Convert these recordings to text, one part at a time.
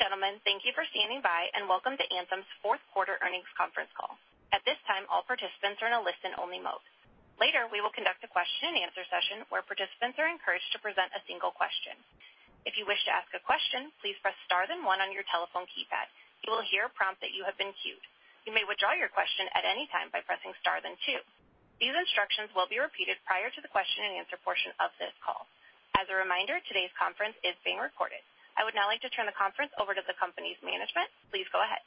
Ladies and gentlemen, thank you for standing by and welcome to Anthem's fourth quarter earnings conference call. At this time, all participants are in a listen only mode. Later, we will conduct a question and answer session where participants are encouraged to present a single question. If you wish to ask a question, please press Star then one on your telephone keypad. You will hear a prompt that you have been queued. You may withdraw your question at any time by pressing Star then two. These instructions will be repeated prior to the question and answer portion of this call. As a reminder, today's conference is being recorded. I would now like to turn the conference over to the company's management. Please go ahead.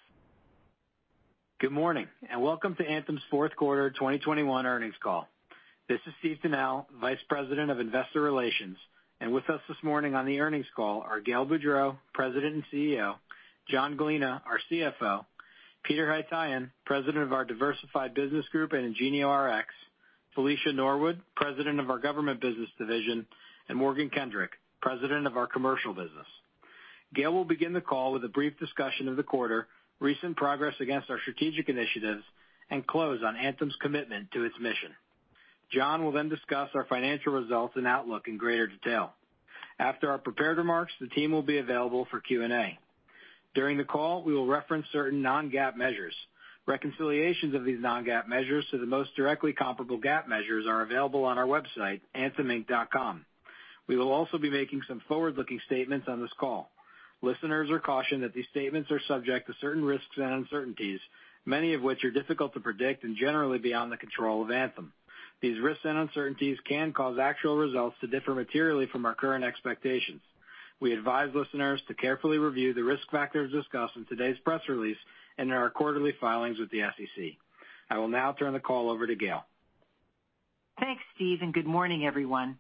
Good morning and welcome to Anthem's fourth quarter 2021 earnings call. This is Steve Tanal, Vice President of Investor Relations. With us this morning on the earnings call are Gail Boudreaux, President and CEO, John Gallina, our CFO, Peter Haytaian, President of our Diversified Business Group and IngenioRx, Felicia Norwood, President of our Government Business Division, and Morgan Kendrick, President of our Commercial Business. Gail will begin the call with a brief discussion of the quarter, recent progress against our strategic initiatives, and close on Anthem's commitment to its mission. John will then discuss our financial results and outlook in greater detail. After our prepared remarks, the team will be available for Q&A. During the call, we will reference certain non-GAAP measures. Reconciliations of these non-GAAP measures to the most directly comparable GAAP measures are available on our website, antheminc.com. We will also be making some forward-looking statements on this call. Listeners are cautioned that these statements are subject to certain risks and uncertainties, many of which are difficult to predict and generally beyond the control of Anthem. These risks and uncertainties can cause actual results to differ materially from our current expectations. We advise listeners to carefully review the risk factors discussed in today's press release and in our quarterly filings with the SEC. I will now turn the call over to Gail. Thanks, Steve, and good morning everyone.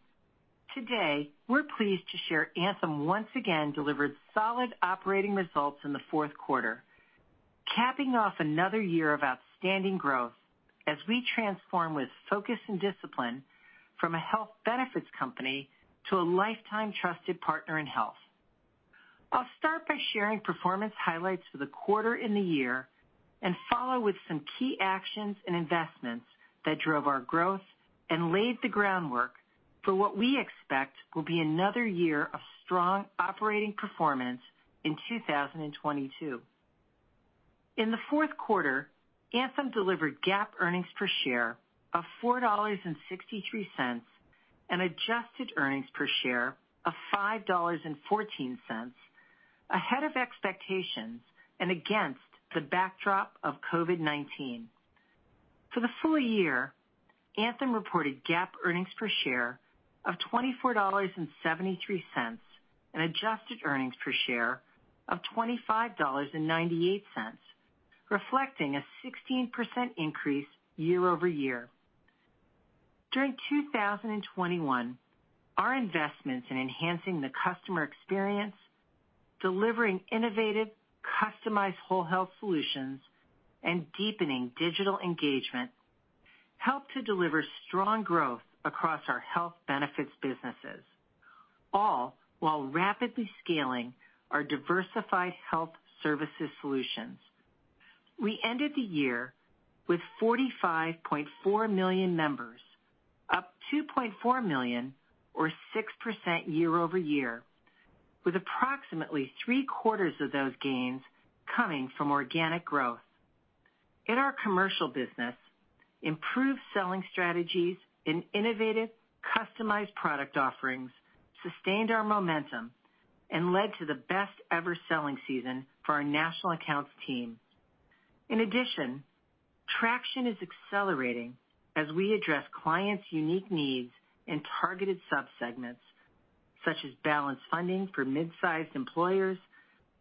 Today, we're pleased to share Anthem once again delivered solid operating results in the fourth quarter, capping off another year of outstanding growth as we transform with focus and discipline from a health benefits company to a lifetime trusted partner in health. I'll start by sharing performance highlights for the quarter and the year and follow with some key actions and investments that drove our growth and laid the groundwork for what we expect will be another year of strong operating performance in 2022. In the fourth quarter, Anthem delivered GAAP earnings per share of $4.63 and adjusted earnings per share of $5.14 ahead of expectations and against the backdrop of COVID-19. For the full year, Anthem reported GAAP earnings per share of $24.73 and adjusted earnings per share of $25.98, reflecting a 16% increase year-over-year. During 2021, our investments in enhancing the customer experience, delivering innovative, customized whole health solutions, and deepening digital engagement helped to deliver strong growth across our health benefits businesses, all while rapidly scaling our diversified health services solutions. We ended the year with 45.4 million members, up 2.4 million or 6% year-over-year, with approximately three-quarters of those gains coming from organic growth. In our commercial business, improved selling strategies and innovative customized product offerings sustained our momentum and led to the best ever selling season for our national accounts team. In addition, traction is accelerating as we address clients' unique needs in targeted subsegments such as balanced funding for mid-sized employers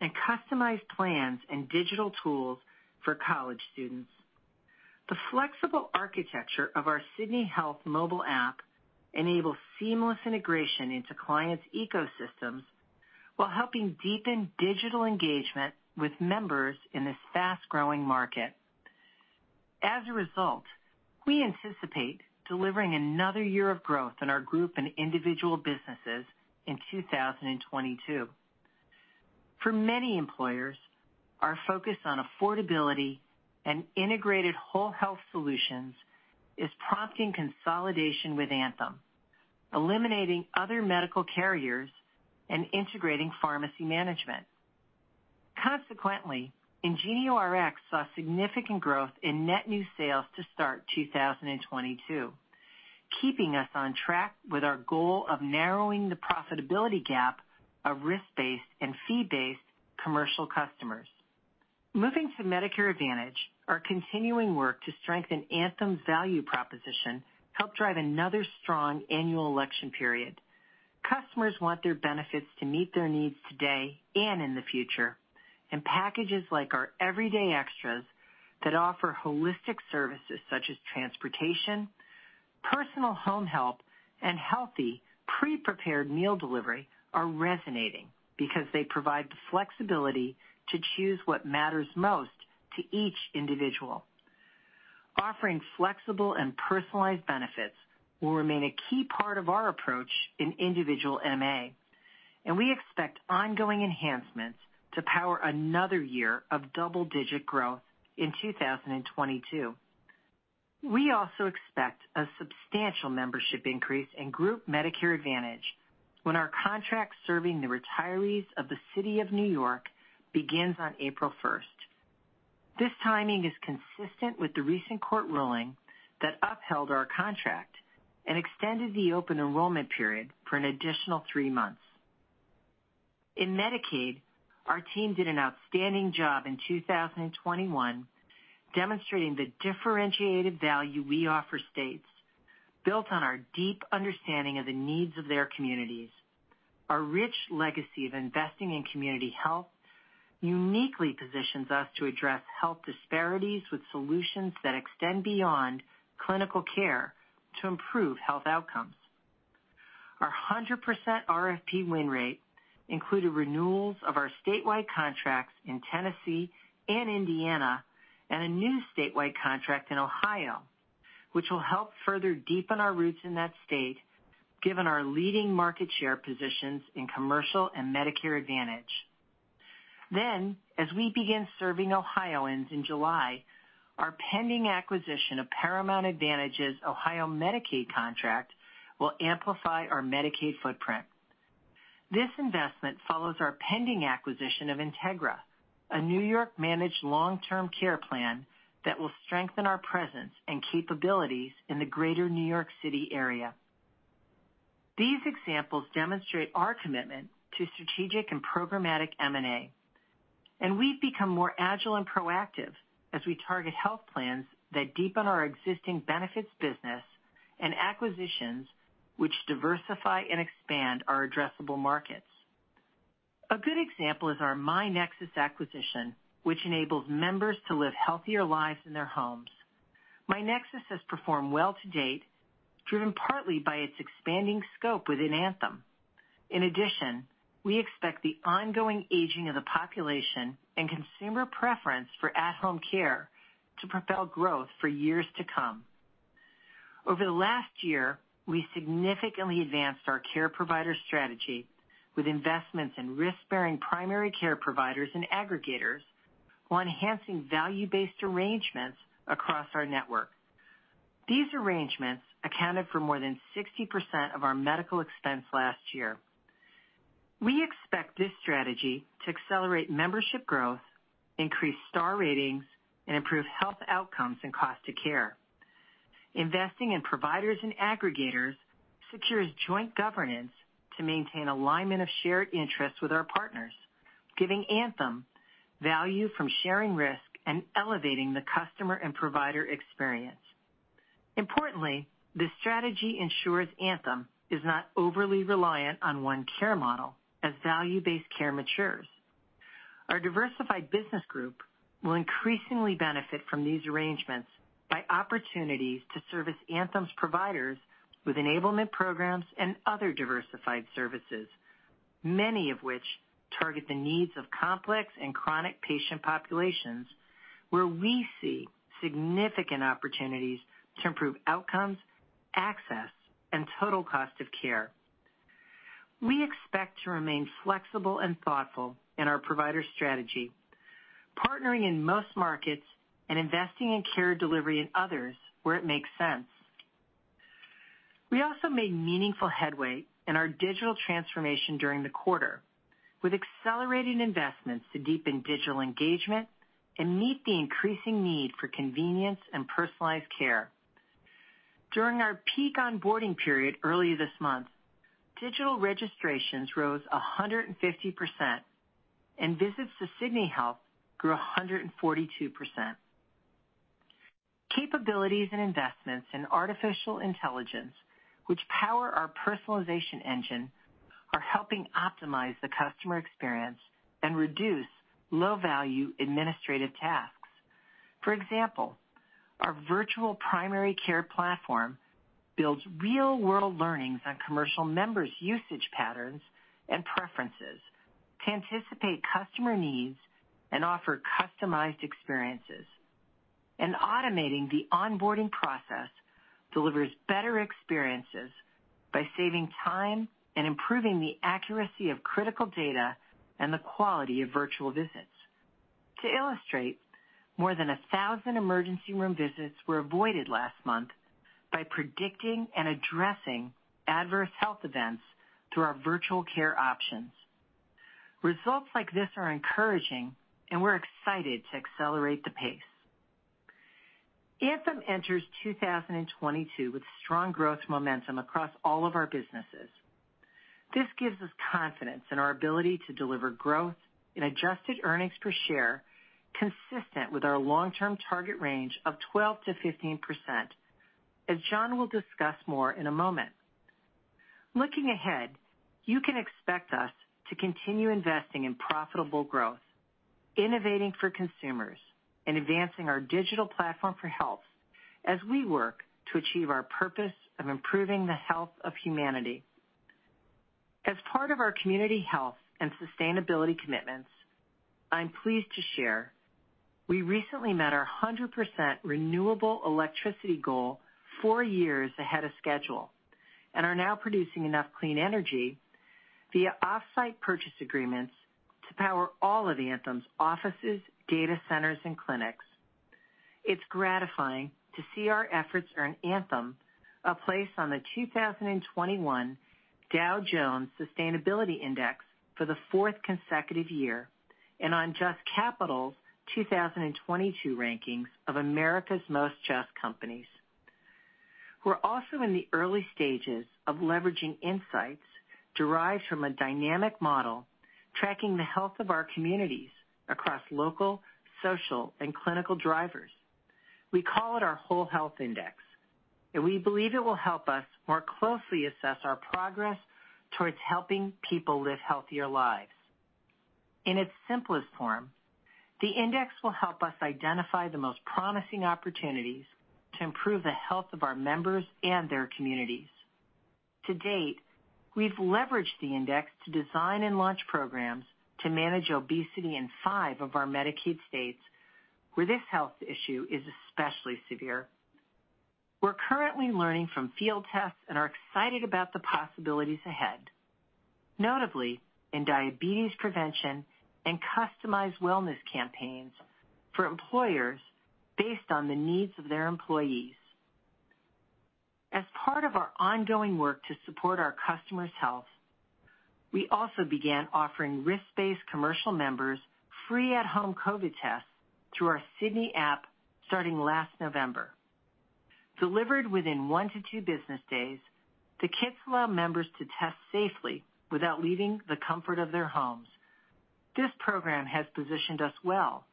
and customized plans and digital tools for college students. The flexible architecture of our Sydney Health mobile app enables seamless integration into clients' ecosystems while helping deepen digital engagement with members in this fast-growing market. As a result, we anticipate delivering another year of growth in our group and individual businesses in 2022. For many employers, our focus on affordability and integrated whole health solutions is prompting consolidation with Anthem, eliminating other medical carriers and integrating pharmacy management. Consequently, IngenioRx saw significant growth in net new sales to start 2022, keeping us on track with our goal of narrowing the profitability gap of risk-based and fee-based commercial customers. Moving to Medicare Advantage, our continuing work to strengthen Anthem's value proposition helped drive another strong annual election period. Customers want their benefits to meet their needs today and in the future, and packages like our Everyday Extras that offer holistic services such as transportation, personal home help, and healthy pre-prepared meal delivery are resonating because they provide the flexibility to choose what matters most to each individual. Offering flexible and personalized benefits will remain a key part of our approach in individual MA, and we expect ongoing enhancements to power another year of double-digit growth in 2022. We also expect a substantial membership increase in Group Medicare Advantage when our contract serving the retirees of the City of New York begins on April 1st. This timing is consistent with the recent court ruling that upheld our contract and extended the open enrollment period for an additional three months. In Medicaid, our team did an outstanding job in 2021, demonstrating the differentiated value we offer states, built on our deep understanding of the needs of their communities. Our rich legacy of investing in community health uniquely positions us to address health disparities with solutions that extend beyond clinical care to improve health outcomes. Our 100% RFP win rate included renewals of our statewide contracts in Tennessee and Indiana, and a new statewide contract in Ohio, which will help further deepen our roots in that state given our leading market share positions in commercial and Medicare Advantage. As we begin serving Ohioans in July, our pending acquisition of Paramount Advantage's Ohio Medicaid contract will amplify our Medicaid footprint. This investment follows our pending acquisition of Integra, a New York managed long-term care plan that will strengthen our presence and capabilities in the greater New York City area. These examples demonstrate our commitment to strategic and programmatic M&A, and we've become more agile and proactive as we target health plans that deepen our existing benefits business and acquisitions which diversify and expand our addressable markets. A good example is our myNEXUS acquisition, which enables members to live healthier lives in their homes. myNEXUS has performed well to date, driven partly by its expanding scope within Anthem. In addition, we expect the ongoing aging of the population and consumer preference for at-home care to propel growth for years to come. Over the last year, we significantly advanced our care provider strategy with investments in risk-bearing primary care providers and aggregators while enhancing value-based arrangements across our network. These arrangements accounted for more than 60% of our medical expense last year. We expect this strategy to accelerate membership growth, increase star ratings, and improve health outcomes and cost of care. Investing in providers and aggregators secures joint governance to maintain alignment of shared interests with our partners, giving Anthem value from sharing risk and elevating the customer and provider experience. Importantly, this strategy ensures Anthem is not overly reliant on one care model as value-based care matures. Our Diversified Business Group will increasingly benefit from these arrangements by opportunities to service Anthem's providers with enablement programs and other diversified services, many of which target the needs of complex and chronic patient populations where we see significant opportunities to improve outcomes, access, and total cost of care. We expect to remain flexible and thoughtful in our provider strategy, partnering in most markets and investing in care delivery in others where it makes sense. We also made meaningful headway in our digital transformation during the quarter with accelerating investments to deepen digital engagement and meet the increasing need for convenience and personalized care. During our peak onboarding period early this month, digital registrations rose 150%, and visits to Sydney Health grew 142%. Capabilities and investments in artificial intelligence, which power our personalization engine, are helping optimize the customer experience and reduce low-value administrative tasks. For example, our virtual primary care platform builds real-world learnings on commercial members' usage patterns and preferences to anticipate customer needs and offer customized experiences. Automating the onboarding process delivers better experiences by saving time and improving the accuracy of critical data and the quality of virtual visits. To illustrate, more than 1,000 emergency room visits were avoided last month by predicting and addressing adverse health events through our virtual care options. Results like this are encouraging, and we're excited to accelerate the pace. Anthem enters 2022 with strong growth momentum across all of our businesses. This gives us confidence in our ability to deliver growth in adjusted earnings per share consistent with our long-term target range of 12%-15%, as John will discuss more in a moment. Looking ahead, you can expect us to continue investing in profitable growth, innovating for consumers, and advancing our digital platform for health as we work to achieve our purpose of improving the health of humanity. As part of our community health and sustainability commitments, I'm pleased to share we recently met our 100% renewable electricity goal four years ahead of schedule and are now producing enough clean energy via off-site purchase agreements to power all of Anthem's offices, data centers, and clinics. It's gratifying to see our efforts earn Anthem a place on the 2021 Dow Jones Sustainability Index for the fourth consecutive year and on JUST Capital 2022 rankings of America's Most JUST Companies. We're also in the early stages of leveraging insights derived from a dynamic model tracking the health of our communities across local, social, and clinical drivers. We call it our Whole Health Index, and we believe it will help us more closely assess our progress towards helping people live healthier lives. In its simplest form, the index will help us identify the most promising opportunities to improve the health of our members and their communities. To date, we've leveraged the index to design and launch programs to manage obesity in five of our Medicaid states where this health issue is especially severe. We're currently learning from field tests and are excited about the possibilities ahead, notably in diabetes prevention and customized wellness campaigns for employers based on the needs of their employees. As part of our ongoing work to support our customers' health, we also began offering risk-based commercial members free at-home COVID tests through our Sydney app starting last November. Delivered within one to two business days, the kits allow members to test safely without leaving the comfort of their homes. This program has positioned us well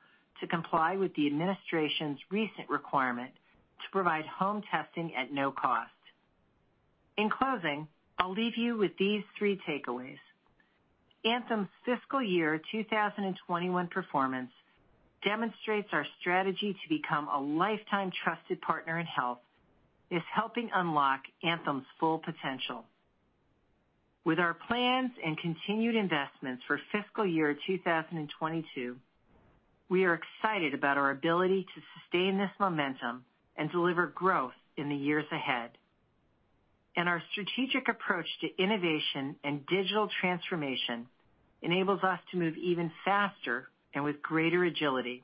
to comply with the administration's recent requirement to provide home testing at no cost. In closing, I'll leave you with these three takeaways. Anthem's fiscal year 2021 performance demonstrates our strategy to become a lifetime trusted partner in health. Is helping unlock Anthem's full potential. With our plans and continued investments for fiscal year 2022, we are excited about our ability to sustain this momentum and deliver growth in the years ahead. Our strategic approach to innovation and digital transformation enables us to move even faster and with greater agility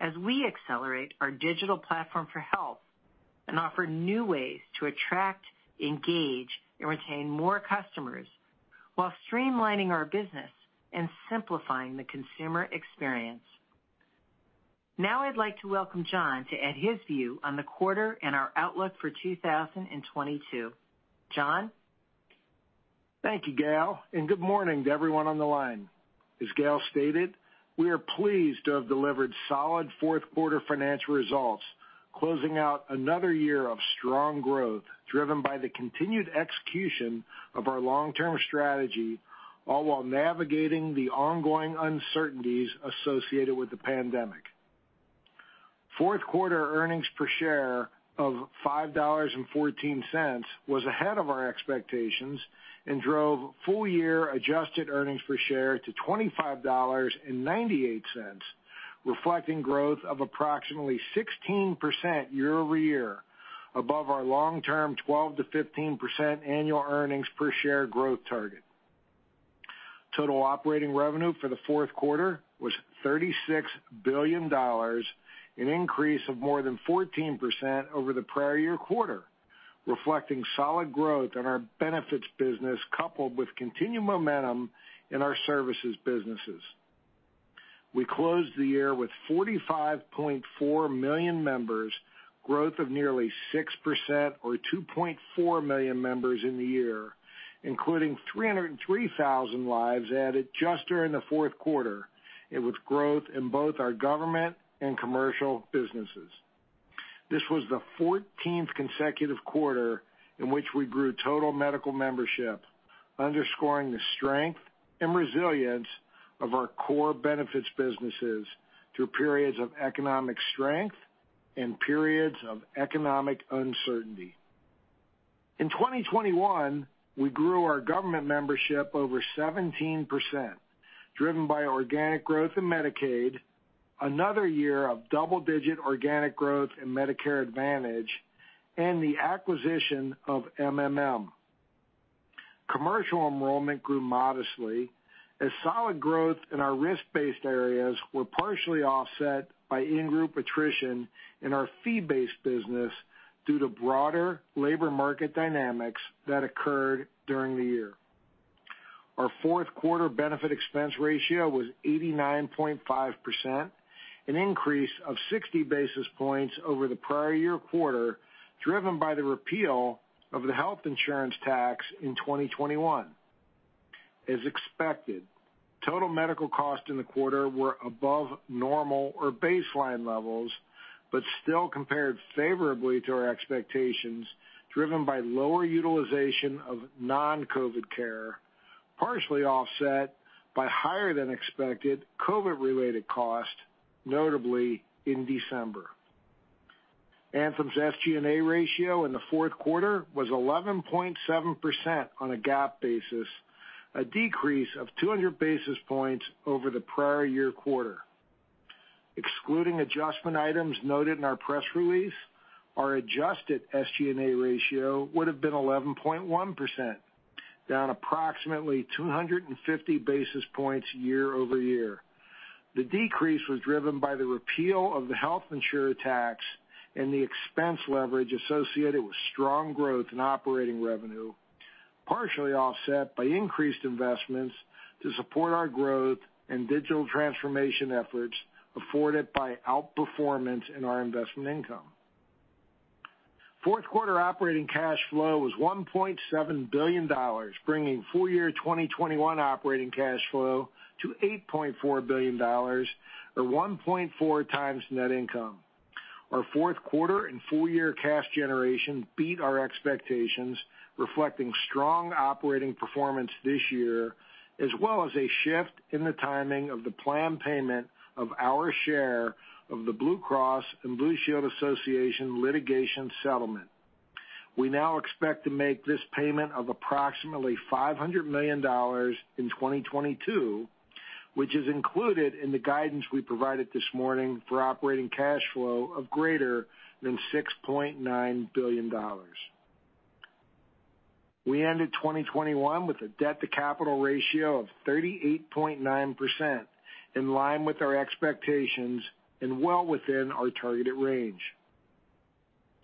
as we accelerate our digital platform for health and offer new ways to attract, engage, and retain more customers while streamlining our business and simplifying the consumer experience. Now I'd like to welcome John to add his view on the quarter and our outlook for 2022. John? Thank you, Gail, and good morning to everyone on the line. As Gail stated, we are pleased to have delivered solid fourth quarter financial results, closing out another year of strong growth driven by the continued execution of our long-term strategy, all while navigating the ongoing uncertainties associated with the pandemic. Fourth quarter earnings per share of $5.14 was ahead of our expectations and drove full year adjusted earnings per share to $25.98, reflecting growth of approximately 16% year-over-year above our long-term 12%-15% annual earnings per share growth target. Total operating revenue for the fourth quarter was $36 billion, an increase of more than 14% over the prior year quarter, reflecting solid growth in our benefits business, coupled with continued momentum in our services businesses. We closed the year with 45.4 million members, growth of nearly 6% or 2.4 million members in the year, including 303,000 lives added just during the fourth quarter, and with growth in both our government and commercial businesses. This was the 14th consecutive quarter in which we grew total medical membership, underscoring the strength and resilience of our core benefits businesses through periods of economic strength and periods of economic uncertainty. In 2021, we grew our government membership over 17%, driven by organic growth in Medicaid, another year of double-digit organic growth in Medicare Advantage, and the acquisition of MMM. Commercial enrollment grew modestly as solid growth in our risk-based areas were partially offset by in-group attrition in our fee-based business due to broader labor market dynamics that occurred during the year. Our fourth quarter benefit expense ratio was 89.5%, an increase of 60 basis points over the prior year quarter, driven by the repeal of the health insurance tax in 2021. As expected, total medical costs in the quarter were above normal or baseline levels, but still compared favorably to our expectations, driven by lower utilization of non-COVID care, partially offset by higher than expected COVID-related cost, notably in December. Anthem's SG&A ratio in the fourth quarter was 11.7% on a GAAP basis, a decrease of 200 basis points over the prior year quarter. Excluding adjustment items noted in our press release, our adjusted SG&A ratio would have been 11.1%, down approximately 250 basis points year-over-year. The decrease was driven by the repeal of the health insurer tax and the expense leverage associated with strong growth in operating revenue, partially offset by increased investments to support our growth and digital transformation efforts afforded by outperformance in our investment income. Fourth quarter operating cash flow was $1.7 billion, bringing full year 2021 operating cash flow to $8.4 billion, or 1.4 times net income. Our fourth quarter and full year cash generation beat our expectations, reflecting strong operating performance this year as well as a shift in the timing of the planned payment of our share of the Blue Cross and Blue Shield Association litigation settlement. We now expect to make this payment of approximately $500 million in 2022, which is included in the guidance we provided this morning for operating cash flow of greater than $6.9 billion. We ended 2021 with a debt to capital ratio of 38.9%, in line with our expectations and well within our targeted range.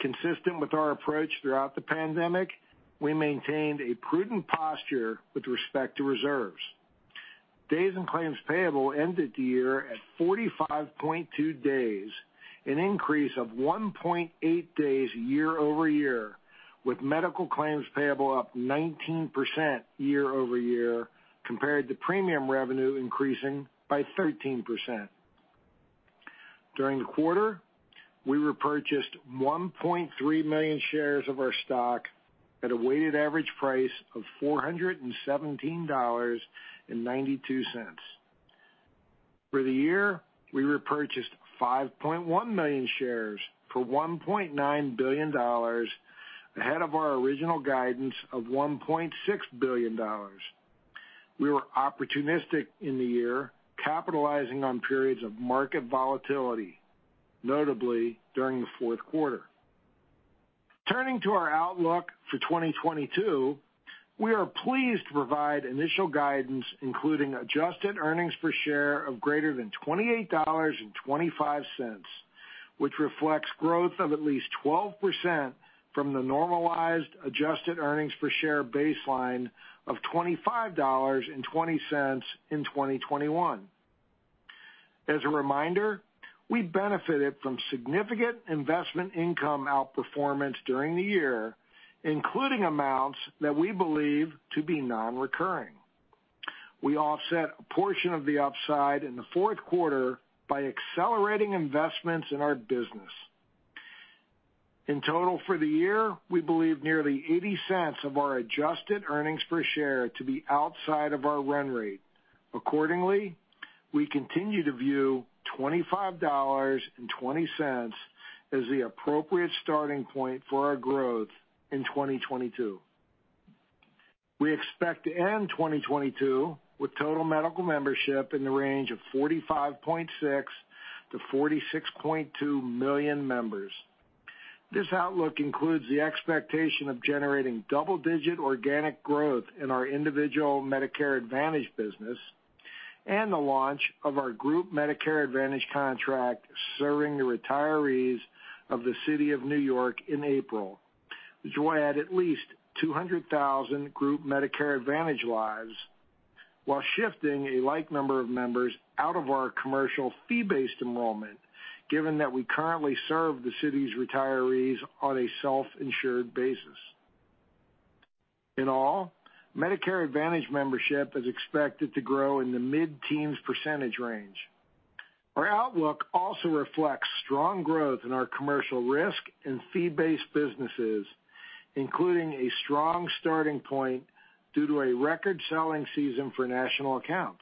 Consistent with our approach throughout the pandemic, we maintained a prudent posture with respect to reserves. Days in claims payable ended the year at 45.2 days, an increase of 1.8 days year-over-year, with medical claims payable up 19% year-over-year compared to premium revenue increasing by 13%. During the quarter, we repurchased 1.3 million shares of our stock at a weighted average price of $417.92. For the year, we repurchased 5.1 million shares for $1.9 billion ahead of our original guidance of $1.6 billion. We were opportunistic in the year, capitalizing on periods of market volatility, notably during the fourth quarter. Turning to our outlook for 2022, we are pleased to provide initial guidance including adjusted earnings per share of greater than $28.25, which reflects growth of at least 12% from the normalized adjusted earnings per share baseline of $25.20 in 2021. As a reminder, we benefited from significant investment income outperformance during the year, including amounts that we believe to be non-recurring. We offset a portion of the upside in the fourth quarter by accelerating investments in our business. In total for the year, we believe nearly $0.80 of our adjusted earnings per share to be outside of our run rate. Accordingly, we continue to view $25.20 as the appropriate starting point for our growth in 2022. We expect to end 2022 with total medical membership in the range of 45.6 million-46.2 million members. This outlook includes the expectation of generating double-digit organic growth in our individual Medicare Advantage business and the launch of our group Medicare Advantage contract serving the retirees of the City of New York in April, which will add at least 200,000 group Medicare Advantage lives while shifting a like number of members out of our commercial fee-based enrollment, given that we currently serve the city's retirees on a self-insured basis. In all, Medicare Advantage membership is expected to grow in the mid-teens % range. Our outlook also reflects strong growth in our commercial risk and fee-based businesses, including a strong starting point due to a record selling season for national accounts.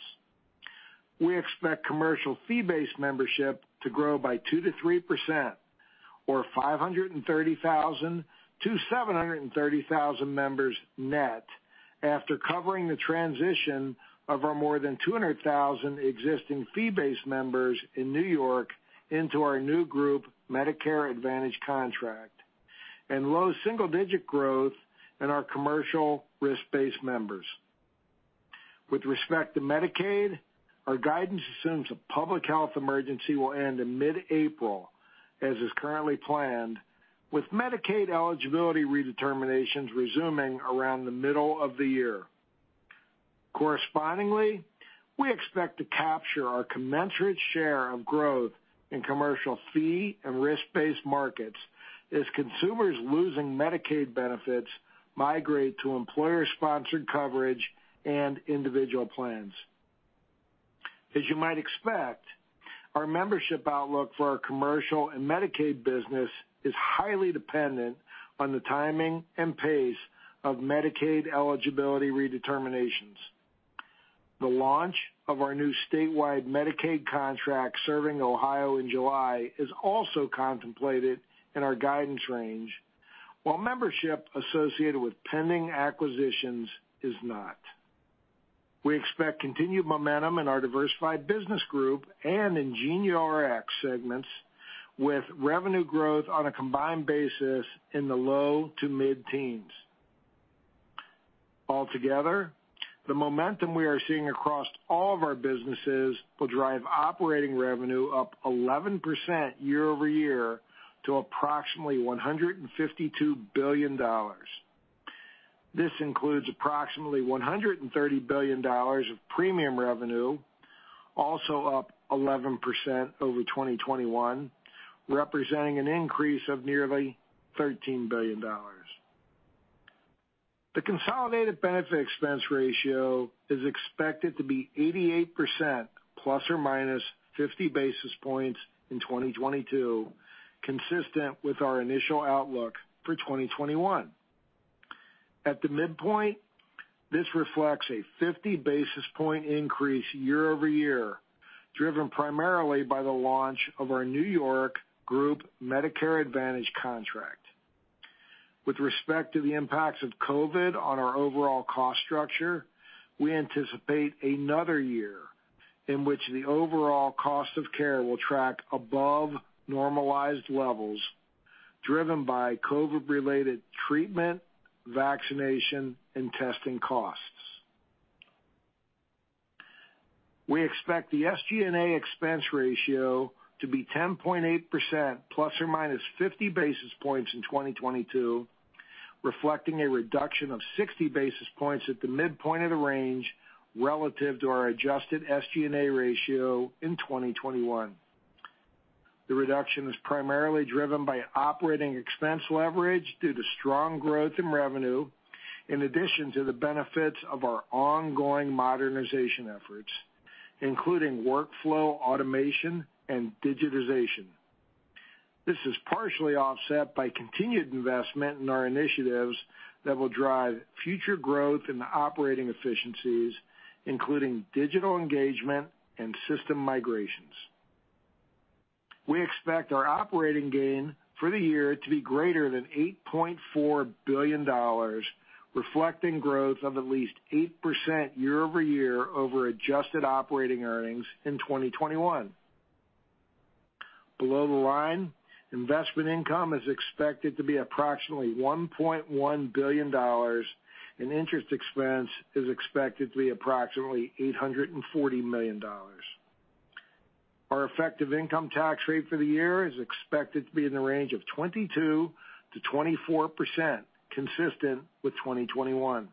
We expect commercial fee-based membership to grow by 2%-3% or 530,000-730,000 members net after covering the transition of our more than 200,000 existing fee-based members in New York into our new group Medicare Advantage contract and low single-digit growth in our commercial risk-based members. With respect to Medicaid, our guidance assumes a public health emergency will end in mid-April, as is currently planned, with Medicaid eligibility redeterminations resuming around the middle of the year. Correspondingly, we expect to capture our commensurate share of growth in commercial fee and risk-based markets as consumers losing Medicaid benefits migrate to employer-sponsored coverage and individual plans. As you might expect, our membership outlook for our commercial and Medicaid business is highly dependent on the timing and pace of Medicaid eligibility redeterminations. The launch of our new statewide Medicaid contract serving Ohio in July is also contemplated in our guidance range, while membership associated with pending acquisitions is not. We expect continued momentum in our Diversified Business Group and in IngenioRx segments with revenue growth on a combined basis in the low to mid-teens. Altogether, the momentum we are seeing across all of our businesses will drive operating revenue up 11% year-over-year to approximately $152 billion. This includes approximately $130 billion of premium revenue, also up 11% over 2021, representing an increase of nearly $13 billion. The consolidated benefit expense ratio is expected to be 88% ±50 basis points in 2022, consistent with our initial outlook for 2021. At the midpoint, this reflects a 50 basis point increase year-over-year, driven primarily by the launch of our New York Group Medicare Advantage contract. With respect to the impacts of COVID on our overall cost structure, we anticipate another year in which the overall cost of care will track above normalized levels, driven by COVID-related treatment, vaccination, and testing costs. We expect the SG&A expense ratio to be 10.8% ±50 basis points in 2022, reflecting a reduction of 60 basis points at the midpoint of the range relative to our adjusted SG&A ratio in 2021. The reduction is primarily driven by operating expense leverage due to strong growth in revenue, in addition to the benefits of our ongoing modernization efforts, including workflow, automation, and digitization. This is partially offset by continued investment in our initiatives that will drive future growth in the operating efficiencies, including digital engagement and system migrations. We expect our operating gain for the year to be greater than $8.4 billion, reflecting growth of at least 8% year-over-year, over adjusted operating earnings in 2021. Below the line, investment income is expected to be approximately $1.1 billion, and interest expense is expected to be approximately $840 million. Our effective income tax rate for the year is expected to be in the range of 22%-24%, consistent with 2021.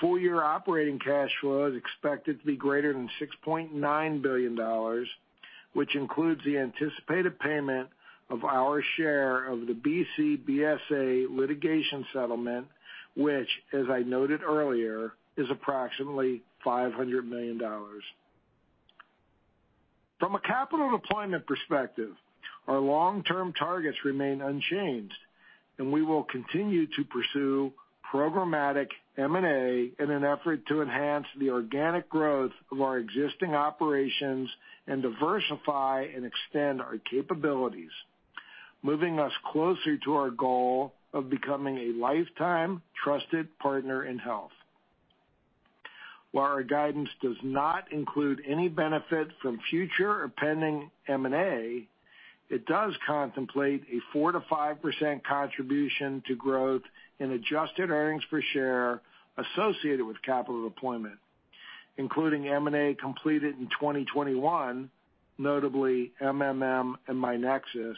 Full year operating cash flow is expected to be greater than $6.9 billion, which includes the anticipated payment of our share of the BCBSA litigation settlement, which, as I noted earlier, is approximately $500 million. From a capital deployment perspective, our long-term targets remain unchanged, and we will continue to pursue programmatic M&A in an effort to enhance the organic growth of our existing operations and diversify and extend our capabilities, moving us closer to our goal of becoming a lifetime trusted partner in health. While our guidance does not include any benefit from future or pending M&A, it does contemplate a 4%-5% contribution to growth in adjusted earnings per share associated with capital deployment, including M&A completed in 2021, notably MMM and myNEXUS,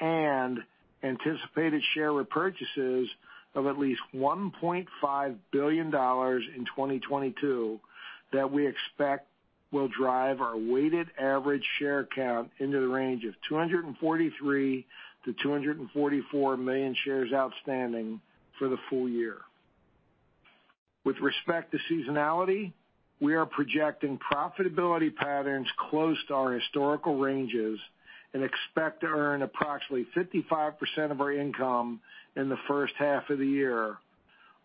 and anticipated share repurchases of at least $1.5 billion in 2022 that we expect will drive our weighted average share count into the range of 243 million-244 million shares outstanding for the full year. With respect to seasonality, we are projecting profitability patterns close to our historical ranges and expect to earn approximately 55% of our income in the first half of the year,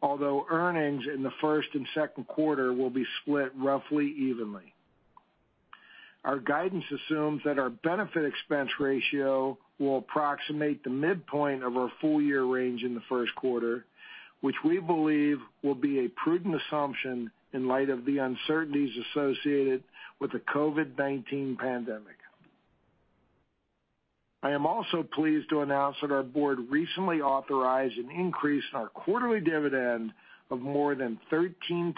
although earnings in the first and second quarter will be split roughly evenly. Our guidance assumes that our benefit expense ratio will approximate the midpoint of our full year range in the first quarter, which we believe will be a prudent assumption in light of the uncertainties associated with the COVID-19 pandemic. I am also pleased to announce that our board recently authorized an increase in our quarterly dividend of more than 13%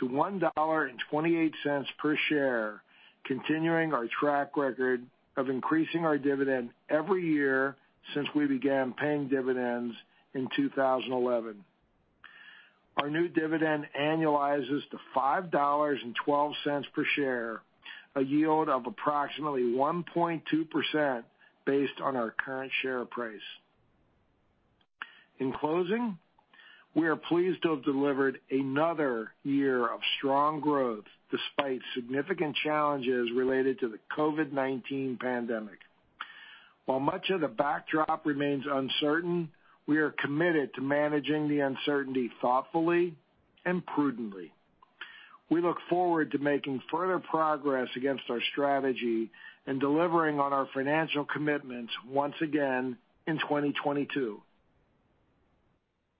to $1.28 per share, continuing our track record of increasing our dividend every year since we began paying dividends in 2011. Our new dividend annualizes to $5.12 per share, a yield of approximately 1.2% based on our current share price. In closing, we are pleased to have delivered another year of strong growth despite significant challenges related to the COVID-19 pandemic. While much of the backdrop remains uncertain, we are committed to managing the uncertainty thoughtfully and prudently. We look forward to making further progress against our strategy and delivering on our financial commitments once again in 2022.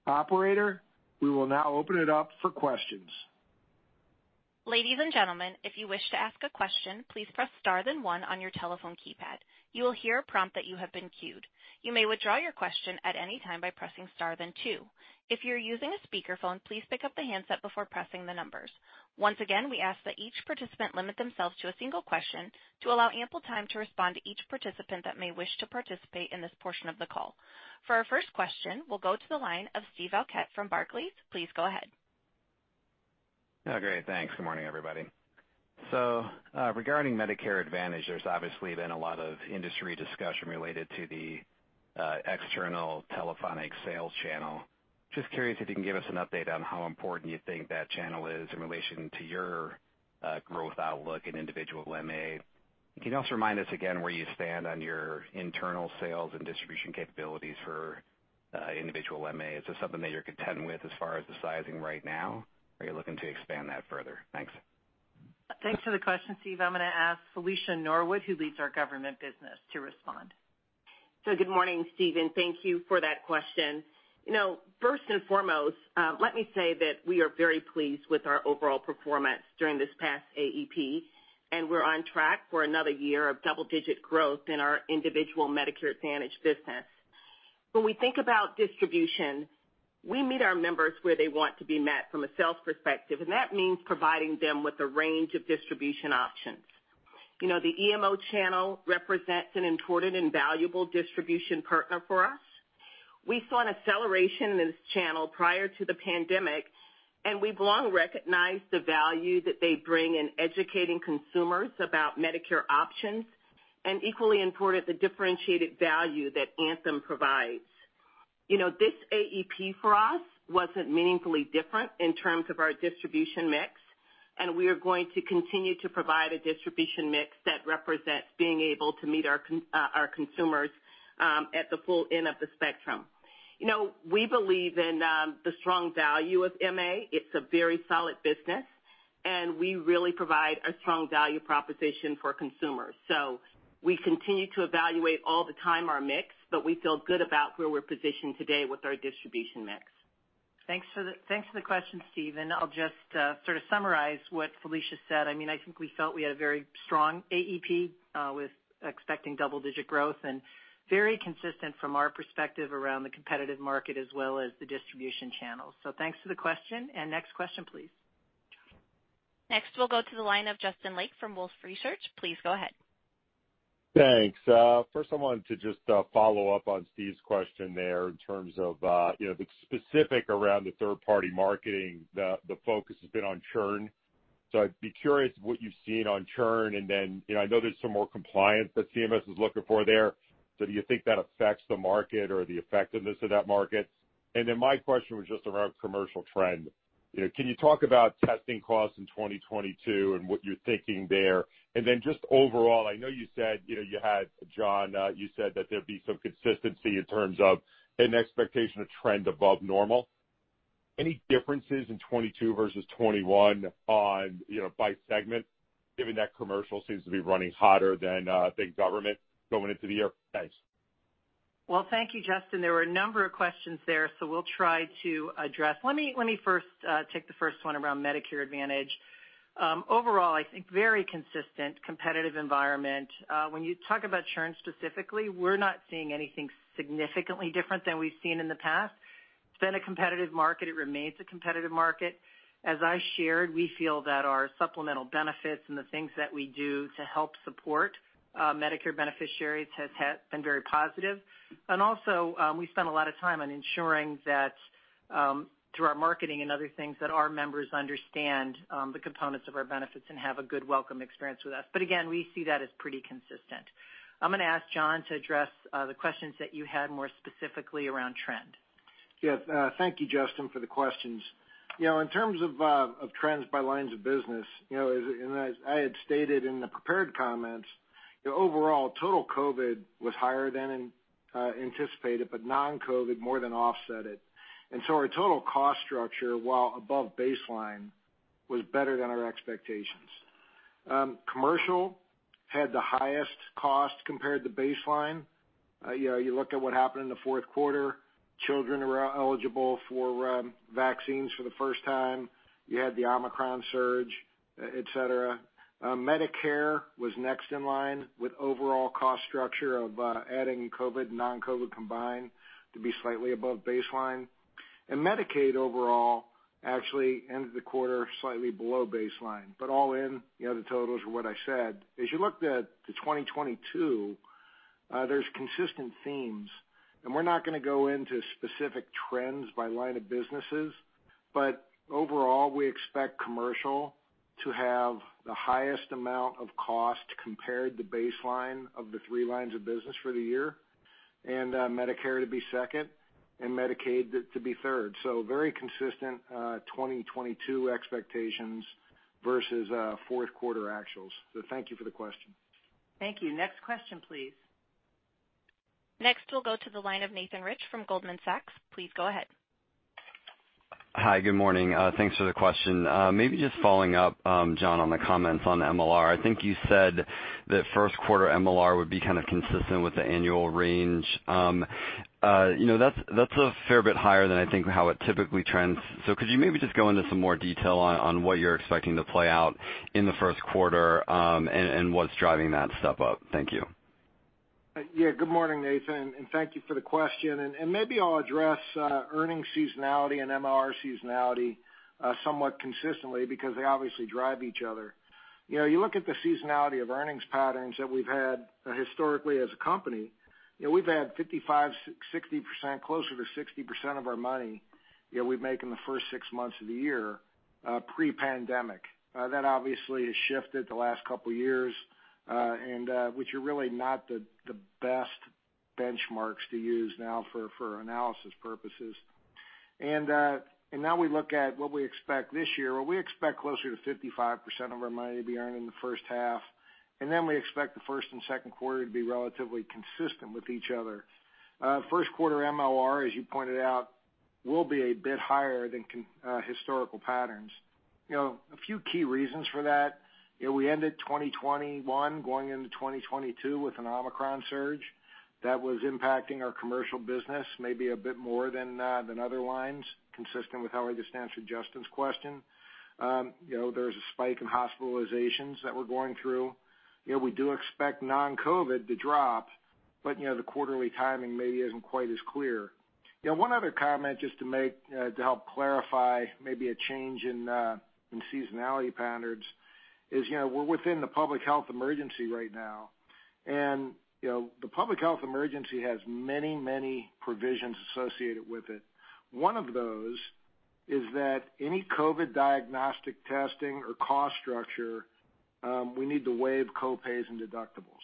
Operator, we will now open it up for questions. Ladies and gentlemen, if you wish to ask a question, please press star then one on your telephone keypad. You will hear a prompt that you have been queued. You may withdraw your question at any time by pressing star then two. If you're using a speakerphone, please pick up the handset before pressing the numbers. Once again, we ask that each participant limit themselves to a single question to allow ample time to respond to each participant that may wish to participate in this portion of the call. For our first question, we'll go to the line of Steve Valiquette from Barclays. Please go ahead. Good morning, everybody. Regarding Medicare Advantage, there's obviously been a lot of industry discussion related to the external telephonic sales channel. Just curious if you can give us an update on how important you think that channel is in relation to your growth outlook in individual MA. Can you also remind us again where you stand on your internal sales and distribution capabilities for individual MA? Is this something that you're content with as far as the sizing right now? Are you looking to expand that further? Thanks. Thanks for the question, Steve. I'm gonna ask Felicia Norwood, who leads our government business, to respond. Good morning, Steven, thank you for that question. You know, first and foremost, let me say that we are very pleased with our overall performance during this past AEP, and we're on track for another year of double-digit growth in our individual Medicare Advantage business. When we think about distribution, we meet our members where they want to be met from a sales perspective, and that means providing them with a range of distribution options. You know, the EMO channel represents an important and valuable distribution partner for us. We saw an acceleration in this channel prior to the pandemic, and we've long recognized the value that they bring in educating consumers about Medicare options, and equally important, the differentiated value that Anthem provides. You know, this AEP for us wasn't meaningfully different in terms of our distribution mix, and we are going to continue to provide a distribution mix that represents being able to meet our consumers at the full end of the spectrum. You know, we believe in the strong value of MA. It's a very solid business, and we really provide a strong value proposition for consumers. We continue to evaluate all the time our mix, but we feel good about where we're positioned today with our distribution mix. Thanks for the question, Steven, I'll just sort of summarize what Felicia said. I mean, I think we felt we had a very strong AEP with expecting double-digit growth and very consistent from our perspective around the competitive market as well as the distribution channels. Thanks for the question. Next question, please. Next, we'll go to the line of Justin Lake from Wolfe Research. Please go ahead. Thanks. First I wanted to just follow up on Steve's question there in terms of you know the specific around the third-party marketing, the focus has been on churn. I'd be curious what you've seen on churn, and then you know I know there's some more compliance that CMS is looking for there. Do you think that affects the market or the effectiveness of that market? Then my question was just around commercial trend. You know can you talk about testing costs in 2022 and what you're thinking there? Then just overall I know you said you know you had John you said that there'd be some consistency in terms of an expectation of trend above normal. Any differences in 2022 versus 2021 on, you know, by segment, given that commercial seems to be running hotter than, I think government going into the year? Thanks. Well, thank you, Justin. There were a number of questions there, so we'll try to address. Let me first take the first one around Medicare Advantage. Overall, I think very consistent competitive environment. When you talk about churn specifically, we're not seeing anything significantly different than we've seen in the past. It's been a competitive market. It remains a competitive market. As I shared, we feel that our supplemental benefits and the things that we do to help support Medicare beneficiaries has been very positive. Also, we spend a lot of time on ensuring that through our marketing and other things, that our members understand the components of our benefits and have a good welcome experience with us. Again, we see that as pretty consistent. I'm gonna ask John to address the questions that you had more specifically around trend. Yes. Thank you, Justin, for the questions. You know, in terms of trends by lines of business, you know, as I had stated in the prepared comments, you know, overall, total COVID was higher than anticipated, but non-COVID more than offset it. Our total cost structure, while above baseline, was better than our expectations. Commercial had the highest cost compared to baseline. You know, you look at what happened in the fourth quarter, children are eligible for vaccines for the first time. You had the Omicron surge, et cetera. Medicare was next in line with overall cost structure of adding COVID and non-COVID combined to be slightly above baseline. Medicaid overall actually ended the quarter slightly below baseline, but all in, you know, the totals are what I said. As you look to 2022, there's consistent themes, and we're not gonna go into specific trends by line of businesses, but overall, we expect commercial to have the highest amount of cost compared to baseline of the three lines of business for the year, and Medicare to be second and Medicaid to be third. Very consistent 2022 expectations versus fourth quarter actuals. Thank you for the question. Thank you. Next question, please. Next, we'll go to the line of Nathan Rich from Goldman Sachs. Please go ahead. Hi, good morning. Thanks for the question. Maybe just following up, John, on the comments on MLR. I think you said that first quarter MLR would be kind of consistent with the annual range. You know, that's a fair bit higher than I think how it typically trends. Could you maybe just go into some more detail on what you're expecting to play out in the first quarter, and what's driving that step up? Thank you. Yeah, good morning, Nathan, and thank you for the question. Maybe I'll address earnings seasonality and MLR seasonality somewhat consistently because they obviously drive each other. You know, you look at the seasonality of earnings patterns that we've had historically as a company. You know, we've had 55%-60%, closer to 60% of our money, you know, we make in the first six months of the year pre-pandemic. That obviously has shifted the last couple years, which are really not the best benchmarks to use now for analysis purposes. Now we look at what we expect this year. Well, we expect closer to 55% of our money to be earned in the first half, and then we expect the first and second quarter to be relatively consistent with each other. First quarter MLR, as you pointed out, will be a bit higher than historical patterns. You know, a few key reasons for that, you know, we ended 2021 going into 2022 with an Omicron surge that was impacting our commercial business maybe a bit more than other lines, consistent with how I just answered Justin's question. You know, there's a spike in hospitalizations that we're going through. You know, we do expect non-COVID to drop, but, you know, the quarterly timing maybe isn't quite as clear. You know, one other comment just to make, to help clarify maybe a change in seasonality patterns is, you know, we're within the public health emergency right now. You know, the public health emergency has many, many provisions associated with it. One of those is that any COVID diagnostic testing or cost structure, we need to waive co-pays and deductibles.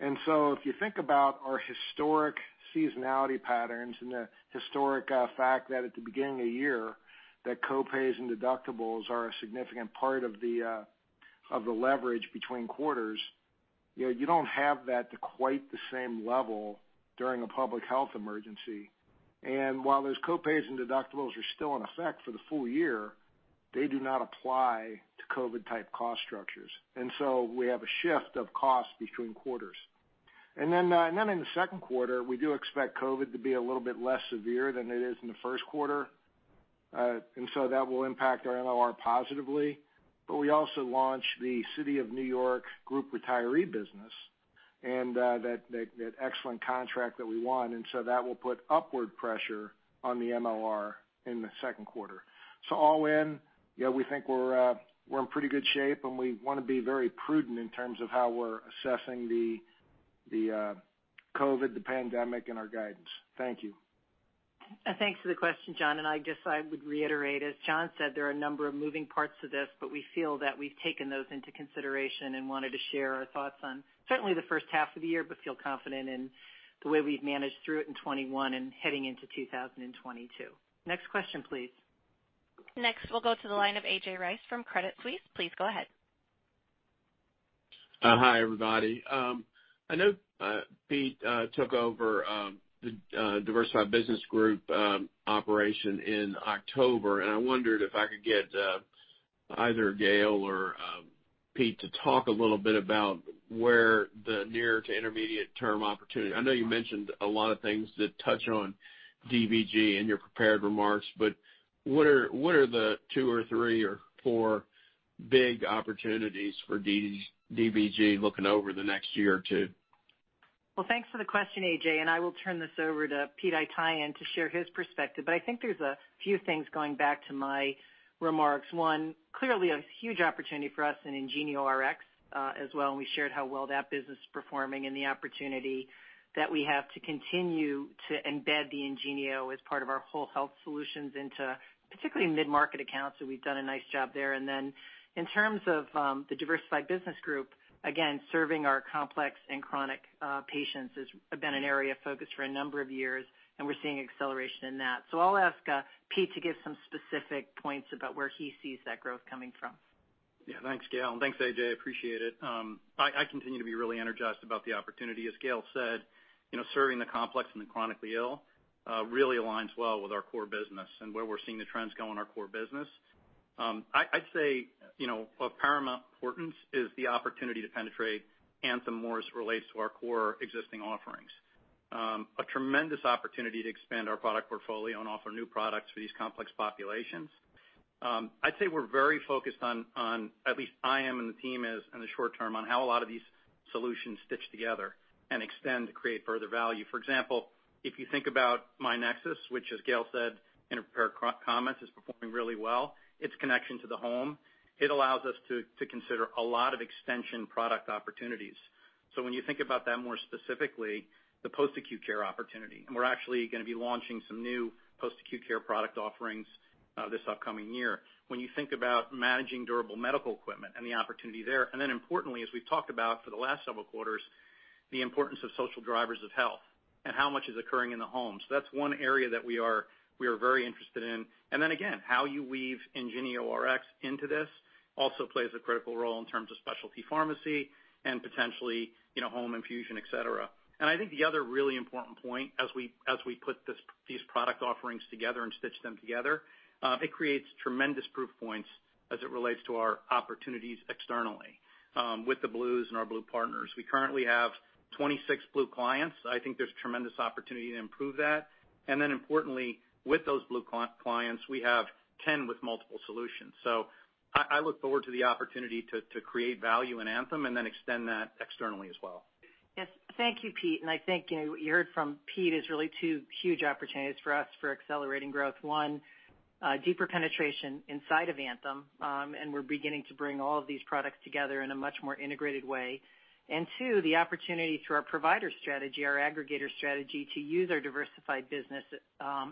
If you think about our historic seasonality patterns and the historic fact that at the beginning of the year, that co-pays and deductibles are a significant part of the leverage between quarters, you know, you don't have that to quite the same level during a public health emergency. While those co-pays and deductibles are still in effect for the full year, they do not apply to COVID-type cost structures. We have a shift of costs between quarters. Then in the second quarter, we do expect COVID to be a little bit less severe than it is in the first quarter, and so that will impact our MLR positively. We also launched the City of New York group retiree business and that excellent contract that we won, and so that will put upward pressure on the MLR in the second quarter. All in, you know, we think we're in pretty good shape, and we wanna be very prudent in terms of how we're assessing the COVID, the pandemic and our guidance. Thank you. Thanks for the question, John. I guess I would reiterate, as John said, there are a number of moving parts to this, but we feel that we've taken those into consideration and wanted to share our thoughts on certainly the first half of the year, but feel confident in the way we've managed through it in 2021 and heading into 2022. Next question, please. Next, we'll go to the line of AJ Rice from Credit Suisse. Please go ahead. Hi, everybody. I know Pete took over the Diversified Business Group operation in October, and I wondered if I could get either Gail or Pete to talk a little bit about where the near to intermediate term opportunity is. I know you mentioned a lot of things that touch on DBG in your prepared remarks, but what are the two or three or four big opportunities for DBG looking over the next year or two? Well, thanks for the question, AJ, and I will turn this over to Pete Haytaian to share his perspective. I think there's a few things going back to my remarks. One, clearly a huge opportunity for us in IngenioRx, as well, and we shared how well that business is performing and the opportunity that we have to continue to embed the IngenioRx as part of our whole health solutions into particularly mid-market accounts, and we've done a nice job there. Then in terms of, the Diversified Business Group, again, serving our complex and chronic, patients has been an area of focus for a number of years, and we're seeing acceleration in that. I'll ask, Pete to give some specific points about where he sees that growth coming from. Yeah. Thanks, Gail, and thanks, AJ. Appreciate it. I continue to be really energized about the opportunity. As Gail said, you know, serving the complex and the chronically ill really aligns well with our core business and where we're seeing the trends go in our core business. I'd say, you know, of paramount importance is the opportunity to penetrate Anthem more as it relates to our core existing offerings. A tremendous opportunity to expand our product portfolio and offer new products for these complex populations. I'd say we're very focused on, at least I am and the team is in the short term, on how a lot of these solutions stitch together and extend to create further value. For example, if you think about myNEXUS, which as Gail said in her comments, is performing really well, its connection to the home, it allows us to consider a lot of extension product opportunities. When you think about that more specifically, the post-acute care opportunity, and we're actually gonna be launching some new post-acute care product offerings this upcoming year. When you think about managing durable medical equipment and the opportunity there, and then importantly, as we've talked about for the last several quarters, the importance of social drivers of health and how much is occurring in the home. That's one area that we are very interested in. Then again, how you weave IngenioRx into this also plays a critical role in terms of specialty pharmacy and potentially, you know, home infusion, et cetera. I think the other really important point as we put these product offerings together and stitch them together, it creates tremendous proof points as it relates to our opportunities externally with the Blues and our Blue partners. We currently have 26 Blue clients. I think there's tremendous opportunity to improve that. Importantly, with those Blue clients, we have 10 with multiple solutions. I look forward to the opportunity to create value in Anthem and then extend that externally as well. Yes. Thank you, Pete. I think, you know, what you heard from Pete is really two huge opportunities for us for accelerating growth. One, deeper penetration inside of Anthem, and we're beginning to bring all of these products together in a much more integrated way. Two, the opportunity through our provider strategy, our aggregator strategy, to use our diversified business,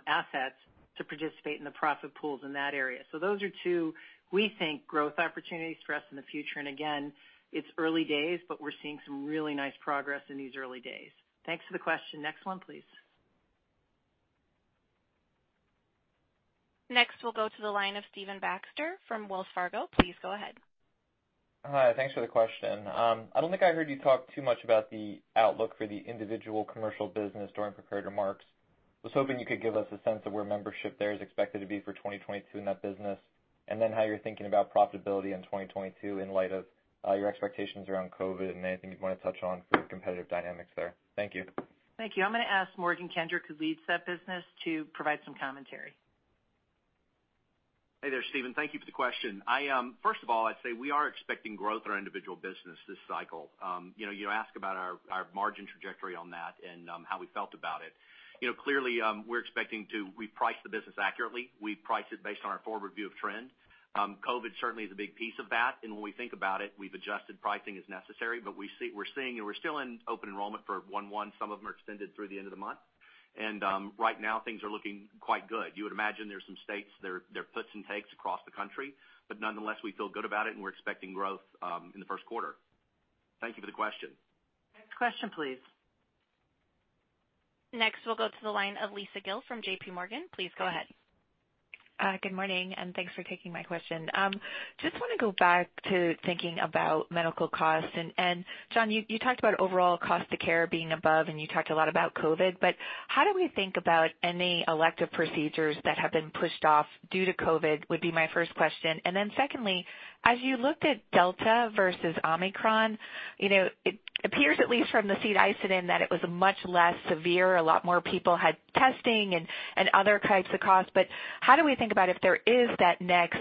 assets to participate in the profit pools in that area. Those are two, we think, growth opportunities for us in the future. Again, it's early days, but we're seeing some really nice progress in these early days. Thanks for the question. Next one, please. Next, we'll go to the line of Stephen Baxter from Wells Fargo. Please go ahead. Hi. Thanks for the question. I don't think I heard you talk too much about the outlook for the individual commercial business during prepared remarks. I was hoping you could give us a sense of where membership there is expected to be for 2022 in that business, and then how you're thinking about profitability in 2022 in light of your expectations around COVID and anything you'd want to touch on for the competitive dynamics there. Thank you. Thank you. I'm gonna ask Morgan Kendrick, who leads that business, to provide some commentary. Hey there, Stephen. Thank you for the question. First of all, I'd say we are expecting growth in our individual business this cycle. You know, you ask about our margin trajectory on that and how we felt about it. You know, clearly, we're expecting to reprice the business accurately. We price it based on our forward view of trend. COVID certainly is a big piece of that, and when we think about it, we've adjusted pricing as necessary. But we're seeing, and we're still in open enrollment for 1/1. Some of them are extended through the end of the month. Right now, things are looking quite good. You would imagine there's some states, there are puts and takes across the country. But nonetheless, we feel good about it, and we're expecting growth in the first quarter. Thank you for the question. Next question, please. Next, we'll go to the line of Lisa Gill from JPMorgan. Please go ahead. Good morning, and thanks for taking my question. Just wanna go back to thinking about medical costs. John, you talked about overall cost to care being above, and you talked a lot about COVID, but how do we think about any elective procedures that have been pushed off due to COVID. That would be my first question. Then secondly, as you looked at Delta versus Omicron, you know, it appears at least from the seat I sit in, that it was much less severe, a lot more people had testing and other types of costs. But how do we think about if there is that next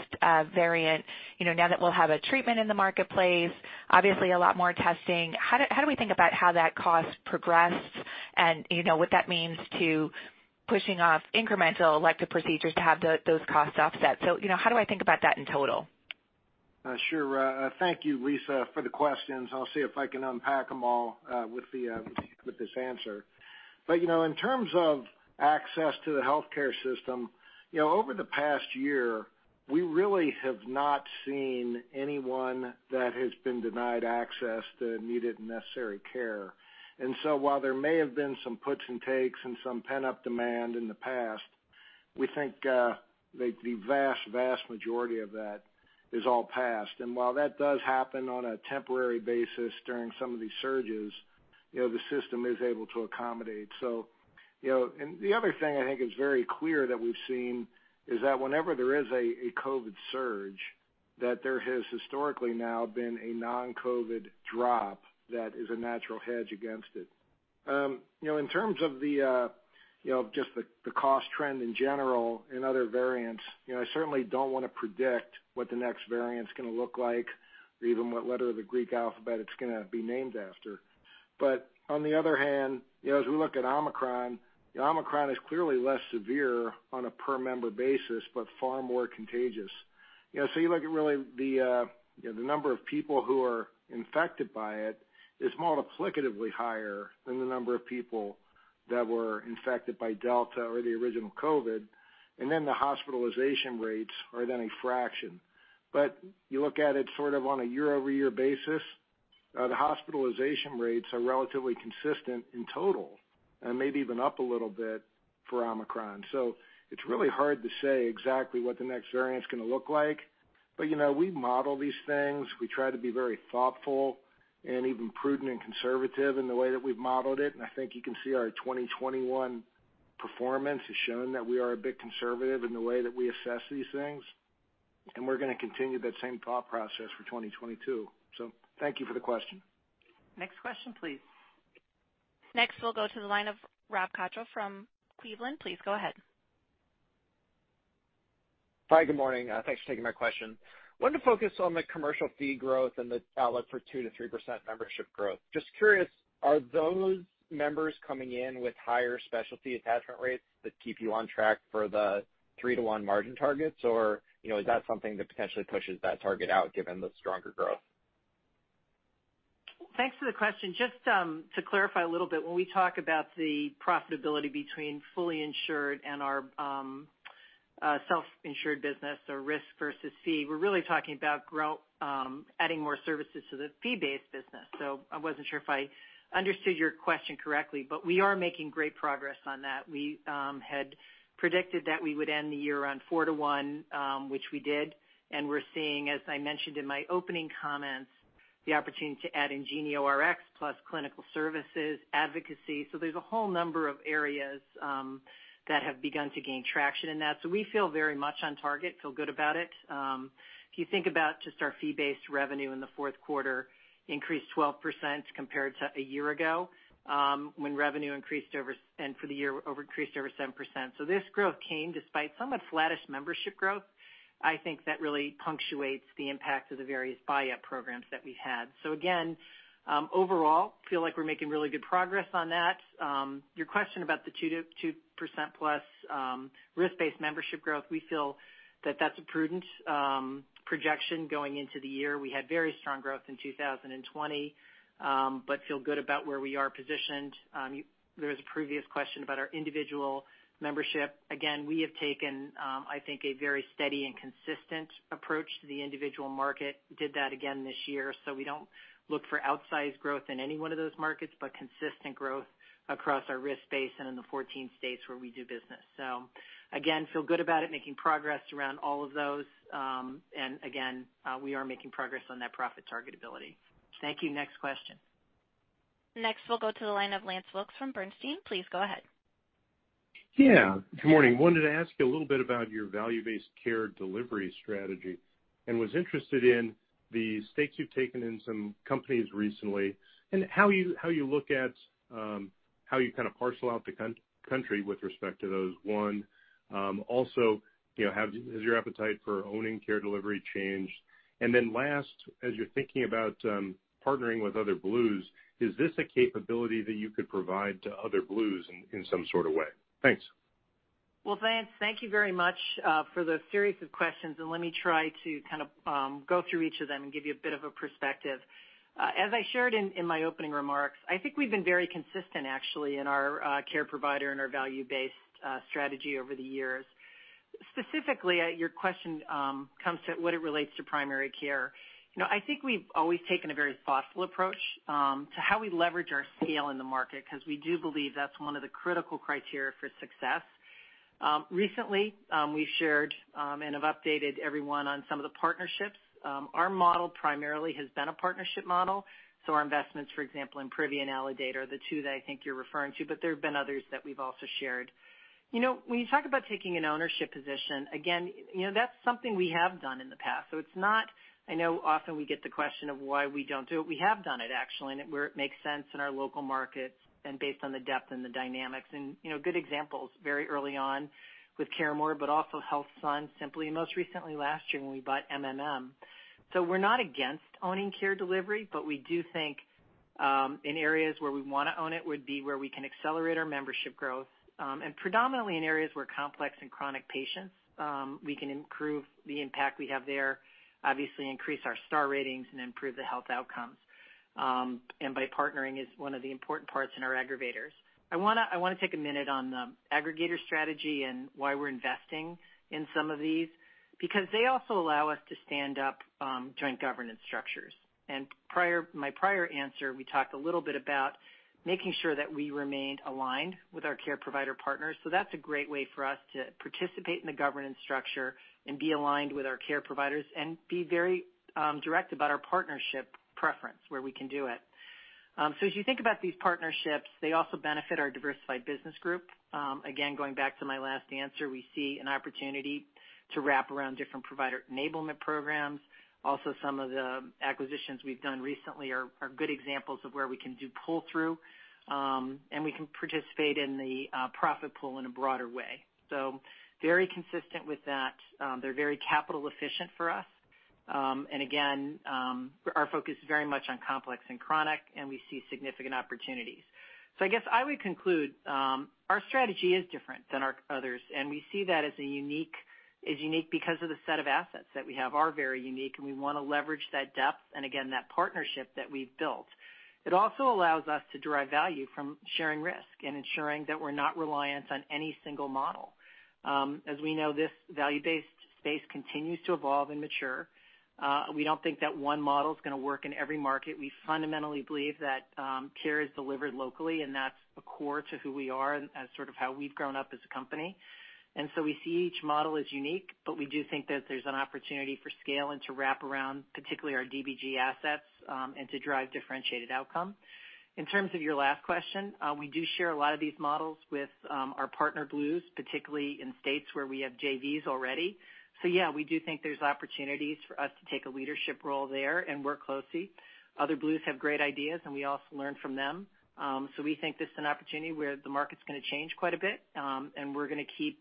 variant, you know, now that we'll have a treatment in the marketplace, obviously a lot more testing. How do we think about how that cost progressed and, you know, what that means to pushing off incremental elective procedures to have those costs offset? You know, how do I think about that in total? Sure. Thank you, Lisa, for the questions. I'll see if I can unpack them all with this answer. You know, in terms of access to the healthcare system, you know, over the past year, we really have not seen anyone that has been denied access to needed necessary care. While there may have been some puts and takes and some pent-up demand in the past, we think the vast majority of that is all past. While that does happen on a temporary basis during some of these surges, you know, the system is able to accommodate. You know, the other thing I think is very clear that we've seen is that whenever there is a COVID surge, that there has historically now been a non-COVID drop that is a natural hedge against it. You know, in terms of the, you know, just the cost trend in general and other variants, you know, I certainly don't wanna predict what the next variant's gonna look like or even what letter of the Greek alphabet it's gonna be named after. On the other hand, you know, as we look at Omicron, it is clearly less severe on a per member basis, but far more contagious. You know, so you look at really the, you know, the number of people who are infected by it is multiplicatively higher than the number of people that were infected by Delta or the original COVID-19. Then the hospitalization rates are then a fraction. You look at it sort of on a year-over-year basis, the hospitalization rates are relatively consistent in total, and maybe even up a little bit for Omicron. It's really hard to say exactly what the next variant's gonna look like. You know, we model these things. We try to be very thoughtful and even prudent and conservative in the way that we've modeled it. I think you can see our 2021 performance has shown that we are a bit conservative in the way that we assess these things, and we're gonna continue that same thought process for 2022. Thank you for the question. Next question, please. Next, we'll go to the line of Rob Cottrell from Cleveland. Please go ahead. Hi, good morning. Thanks for taking my question. I wanted to focus on the commercial fee growth and the outlook for 2%-3% membership growth. Just curious, are those members coming in with higher specialty attachment rates that keep you on track for the 3:1 margin targets? Or, you know, is that something that potentially pushes that target out given the stronger growth? Thanks for the question. Just to clarify a little bit, when we talk about the profitability between fully insured and our self-insured business or risk versus fee, we're really talking about adding more services to the fee-based business. I wasn't sure if I understood your question correctly, but we are making great progress on that. We had predicted that we would end the year around 4:1, which we did. We're seeing, as I mentioned in my opening comments, the opportunity to add IngenioRx plus clinical services, advocacy. There's a whole number of areas that have begun to gain traction in that. We feel very much on target, feel good about it. If you think about just our fee-based revenue in the fourth quarter increased 12% compared to a year ago, when revenue increased over 6% and for the year increased over 7%. This growth came despite somewhat flattish membership growth. I think that really punctuates the impact of the various buyup programs that we had. Again, overall, I feel like we're making really good progress on that. Your question about the 2%-2% plus, risk-based membership growth, we feel that that's a prudent projection going into the year. We had very strong growth in 2020, but feel good about where we are positioned. There was a previous question about our individual membership. Again, we have taken, I think a very steady and consistent approach to the individual market. We did that again this year. We don't look for outsized growth in any one of those markets, but consistent growth across our risk base and in the 14 states where we do business. We feel good about it, making progress around all of those. We are making progress on that profitability target. Thank you. Next question. Next, we'll go to the line of Lance Wilkes from Bernstein. Please go ahead. Yeah, good morning. Wanted to ask you a little bit about your value-based care delivery strategy, and was interested in the stakes you've taken in some companies recently and how you look at how you kind of parcel out the country with respect to those. One. Also, you know, has your appetite for owning care delivery changed? As you're thinking about partnering with other Blues, is this a capability that you could provide to other Blues in some sort of way? Thanks. Well, Lance, thank you very much for the series of questions, and let me try to kind of go through each of them and give you a bit of a perspective. As I shared in my opening remarks, I think we've been very consistent actually in our care provider and our value-based strategy over the years. Specifically, your question as it relates to primary care. You know, I think we've always taken a very thoughtful approach to how we leverage our scale in the market, 'cause we do believe that's one of the critical criteria for success. Recently, we've shared and have updated everyone on some of the partnerships. Our model primarily has been a partnership model, so our investments, for example, in Privia and Aledade are the two that I think you're referring to, but there have been others that we've also shared. You know, when you talk about taking an ownership position, again, you know, that's something we have done in the past. It's not. I know often we get the question of why we don't do it. We have done it actually, and it, where it makes sense in our local markets and based on the depth and the dynamics and you know, good examples very early on with CareMore, but also HealthSun, Simply, most recently last year when we bought MMM. We're not against owning care delivery, but we do think in areas where we wanna own it would be where we can accelerate our membership growth, and predominantly in areas where complex and chronic patients, we can improve the impact we have there, obviously increase our star ratings and improve the health outcomes. By partnering is one of the important parts in our aggregators. I wanna take a minute on the aggregator strategy and why we're investing in some of these, because they also allow us to stand up joint governance structures. In my prior answer, we talked a little bit about making sure that we remained aligned with our care provider partners. That's a great way for us to participate in the governance structure and be aligned with our care providers and be very direct about our partnership preference, where we can do it. As you think about these partnerships, they also benefit our Diversified Business Group. Again, going back to my last answer, we see an opportunity to wrap around different provider enablement programs. Also, some of the acquisitions we've done recently are good examples of where we can do pull-through, and we can participate in the profit pool in a broader way. Very consistent with that. They're very capital efficient for us. And again, our focus is very much on complex and chronic, and we see significant opportunities. I guess I would conclude, our strategy is different than our others, and we see that as a unique because of the set of assets that we have are very unique, and we wanna leverage that depth and again, that partnership that we've built. It also allows us to derive value from sharing risk and ensuring that we're not reliant on any single model. As we know, this value-based space continues to evolve and mature. We don't think that one model is gonna work in every market. We fundamentally believe that, care is delivered locally, and that's a core to who we are as sort of how we've grown up as a company. We see each model as unique, but we do think that there's an opportunity for scale and to wrap around particularly our DBG assets, and to drive differentiated outcome. In terms of your last question, we do share a lot of these models with our partner Blues, particularly in states where we have JVs already. Yeah, we do think there's opportunities for us to take a leadership role there and work closely. Other Blues have great ideas and we also learn from them. We think this is an opportunity where the market's gonna change quite a bit, and we're gonna keep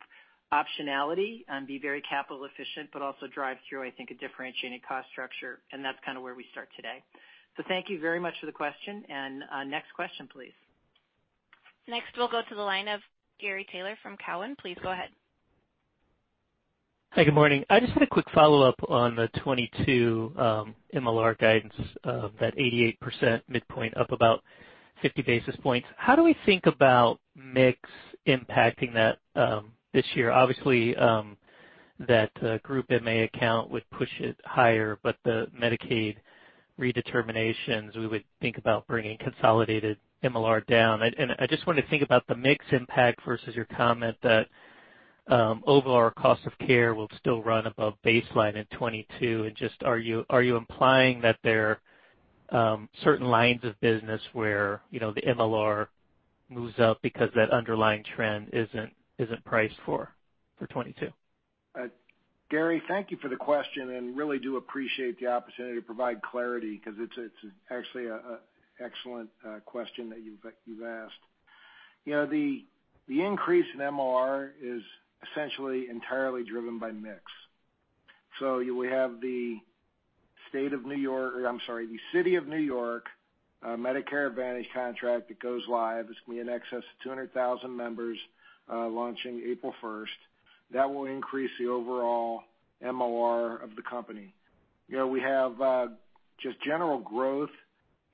optionality and be very capital efficient, but also drive through, I think, a differentiating cost structure, and that's kinda where we start today. So thank you very much for the question. Next question, please. Next, we'll go to the line of Gary Taylor from Cowen. Please go ahead. Hi, good morning. I just had a quick follow-up on the 2022 MLR guidance of that 88% midpoint up about 50 basis points. How do we think about mix impacting that this year? Obviously, that group MA account would push it higher, but the Medicaid redeterminations we would think about bringing consolidated MLR down. I just wanted to think about the mix impact versus your comment that overall our cost of care will still run above baseline in 2022. Just, are you implying that there are certain lines of business where you know the MLR moves up because that underlying trend isn't priced for 2022? Gary, thank you for the question, and really do appreciate the opportunity to provide clarity because it's actually an excellent question that you've asked. You know, the increase in MLR is essentially entirely driven by mix. We have the City of New York Medicare Advantage contract that goes live. It's going to be in excess of 200,000 members, launching April first. That will increase the overall MLR of the company. You know, we have just general growth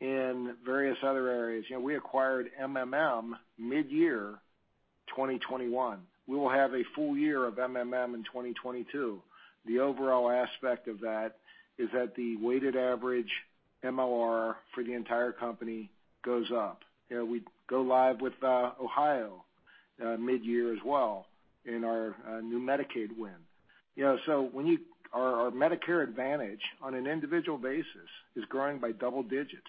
in various other areas. You know, we acquired MMM mid-year 2021. We will have a full year of MMM in 2022. The overall aspect of that is that the weighted average MLR for the entire company goes up. You know, we go live with Ohio mid-year as well in our new Medicaid win. You know, our Medicare Advantage on an individual basis is growing by double digits,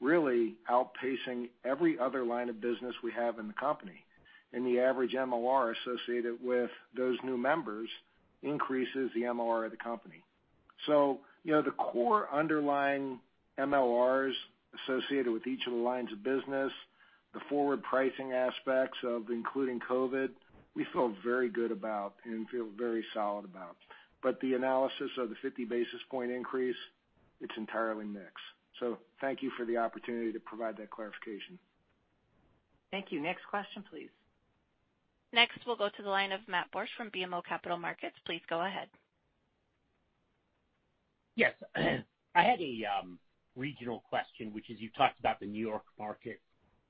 really outpacing every other line of business we have in the company. The average MLR associated with those new members increases the MLR of the company. You know, the core underlying MLRs associated with each of the lines of business, the forward pricing aspects, including COVID, we feel very good about and feel very solid about. The analysis of the 50 basis points increase, it's entirely mix. Thank you for the opportunity to provide that clarification. Thank you. Next question, please. Next, we'll go to the line of Matt Borsch from BMO Capital Markets. Please go ahead. Yes. I had a regional question, which is you talked about the New York market,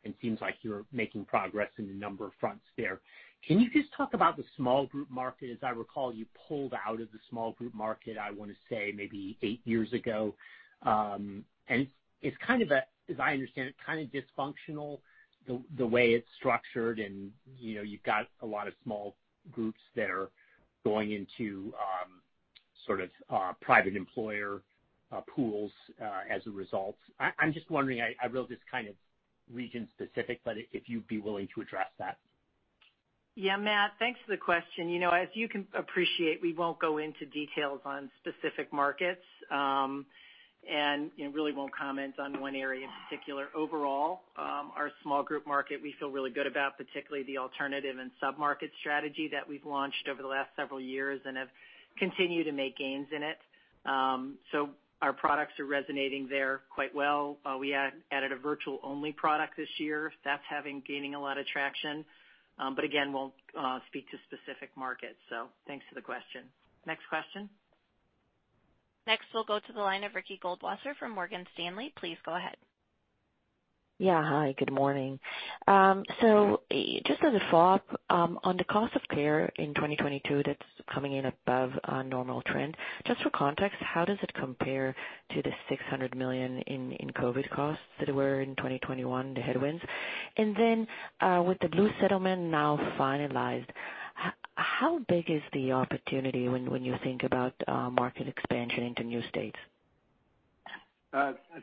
and it seems like you're making progress in a number of fronts there. Can you just talk about the small group market? As I recall, you pulled out of the small group market, I want to say maybe eight years ago. It's kind of, as I understand it, kind of dysfunctional the way it's structured and, you know, you've got a lot of small groups that are going into sort of private employer pools as a result. I'm just wondering, I realize this is kind of region-specific, but if you'd be willing to address that. Yeah, Matt, thanks for the question. You know, as you can appreciate, we won't go into details on specific markets, and, you know, really won't comment on one area in particular. Overall, our small group market we feel really good about, particularly the alternative and sub-market strategy that we've launched over the last several years and have continued to make gains in it. So our products are resonating there quite well. We added a virtual-only product this year. That's gaining a lot of traction. But again, won't speak to specific markets. Thanks for the question. Next question? Next, we'll go to the line of Ricky Goldwasser from Morgan Stanley. Please go ahead. Yeah. Hi, good morning. Just as a follow-up on the cost of care in 2022 that's coming in above our normal trend, just for context, how does it compare to the $600 million in COVID costs that were in 2021, the headwinds? With the Blue settlement now finalized, how big is the opportunity when you think about market expansion into new states?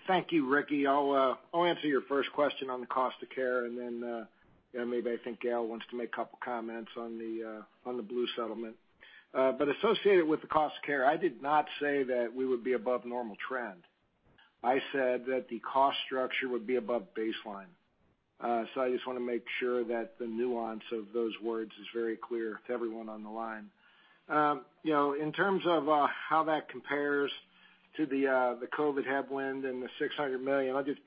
Thank you, Ricky. I'll answer your first question on the cost of care, and then, you know, maybe I think Gail wants to make a couple comments on the Blue settlement. But associated with the cost of care, I did not say that we would be above normal trend. I said that the cost structure would be above baseline. So I just want to make sure that the nuance of those words is very clear to everyone on the line. You know, in terms of how that compares to the COVID headwind and the $600 million, I'll just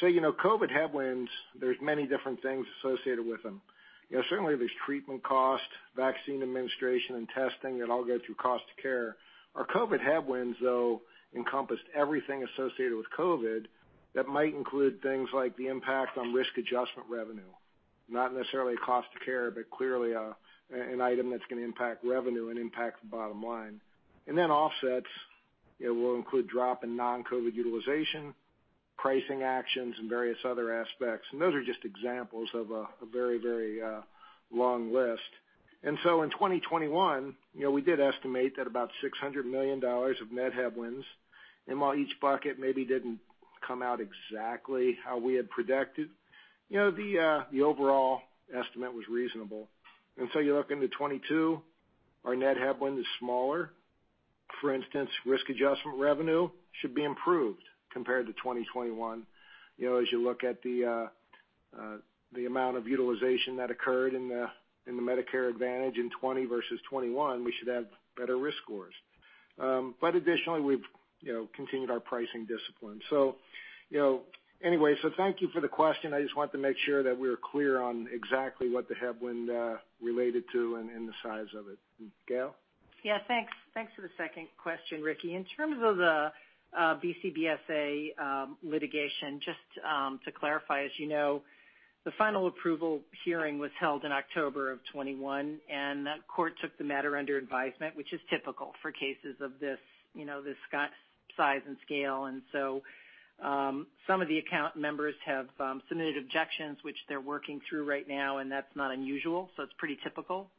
say, you know, COVID headwinds, there's many different things associated with them. You know, certainly there's treatment costs, vaccine administration, and testing that all go through cost of care. Our COVID headwinds, though, encompassed everything associated with COVID that might include things like the impact on risk adjustment revenue, not necessarily cost of care, but clearly, an item that's going to impact revenue and impact the bottom line. Offsets, it will include drop in non-COVID utilization, pricing actions, and various other aspects. Those are just examples of a very long list. In 2021, you know, we did estimate that about $600 million of net headwinds. While each bucket maybe didn't come out exactly how we had predicted, you know, the overall estimate was reasonable. You look into 2022, our net headwind is smaller. For instance, risk adjustment revenue should be improved compared to 2021. You know, as you look at the amount of utilization that occurred in the Medicare Advantage in 2020 versus 2021, we should have better risk scores. But additionally, we've, you know, continued our pricing discipline. You know, anyway, so thank you for the question. I just wanted to make sure that we're clear on exactly what the headwind related to and the size of it. Gail? Yeah, thanks. Thanks for the second question, Ricky. In terms of the BCBSA litigation, just to clarify, as you know, the final approval hearing was held in October of 2021, and that court took the matter under advisement, which is typical for cases of this, you know, this size and scale. Some of the account members have submitted objections, which they're working through right now, and that's not unusual, so it's pretty typical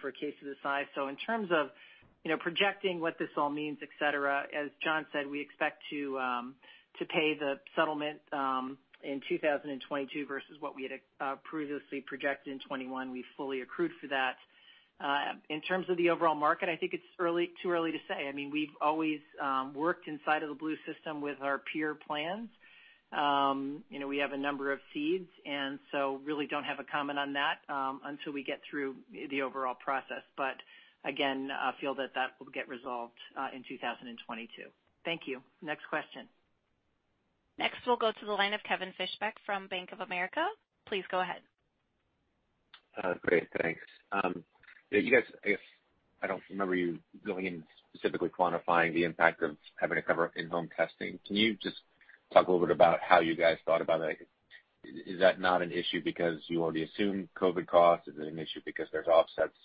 for a case of this size. In terms of, you know, projecting what this all means, et cetera, as John said, we expect to pay the settlement in 2022 versus what we had previously projected in 2021. We've fully accrued for that. In terms of the overall market, I think it's early, too early to say. I mean, we've always worked inside of the Blue system with our peer plans. You know, we have a number of seats, and so really don't have a comment on that until we get through the overall process. Again, I feel that will get resolved in 2022. Thank you. Next question. Next, we'll go to the line of Kevin Fischbeck from Bank of America. Please go ahead. Great, thanks. You guys, I guess I don't remember you going in specifically quantifying the impact of having to cover in-home testing. Can you just talk a little bit about how you guys thought about it? Is that not an issue because you already assumed COVID costs? Is it an issue because there's offsets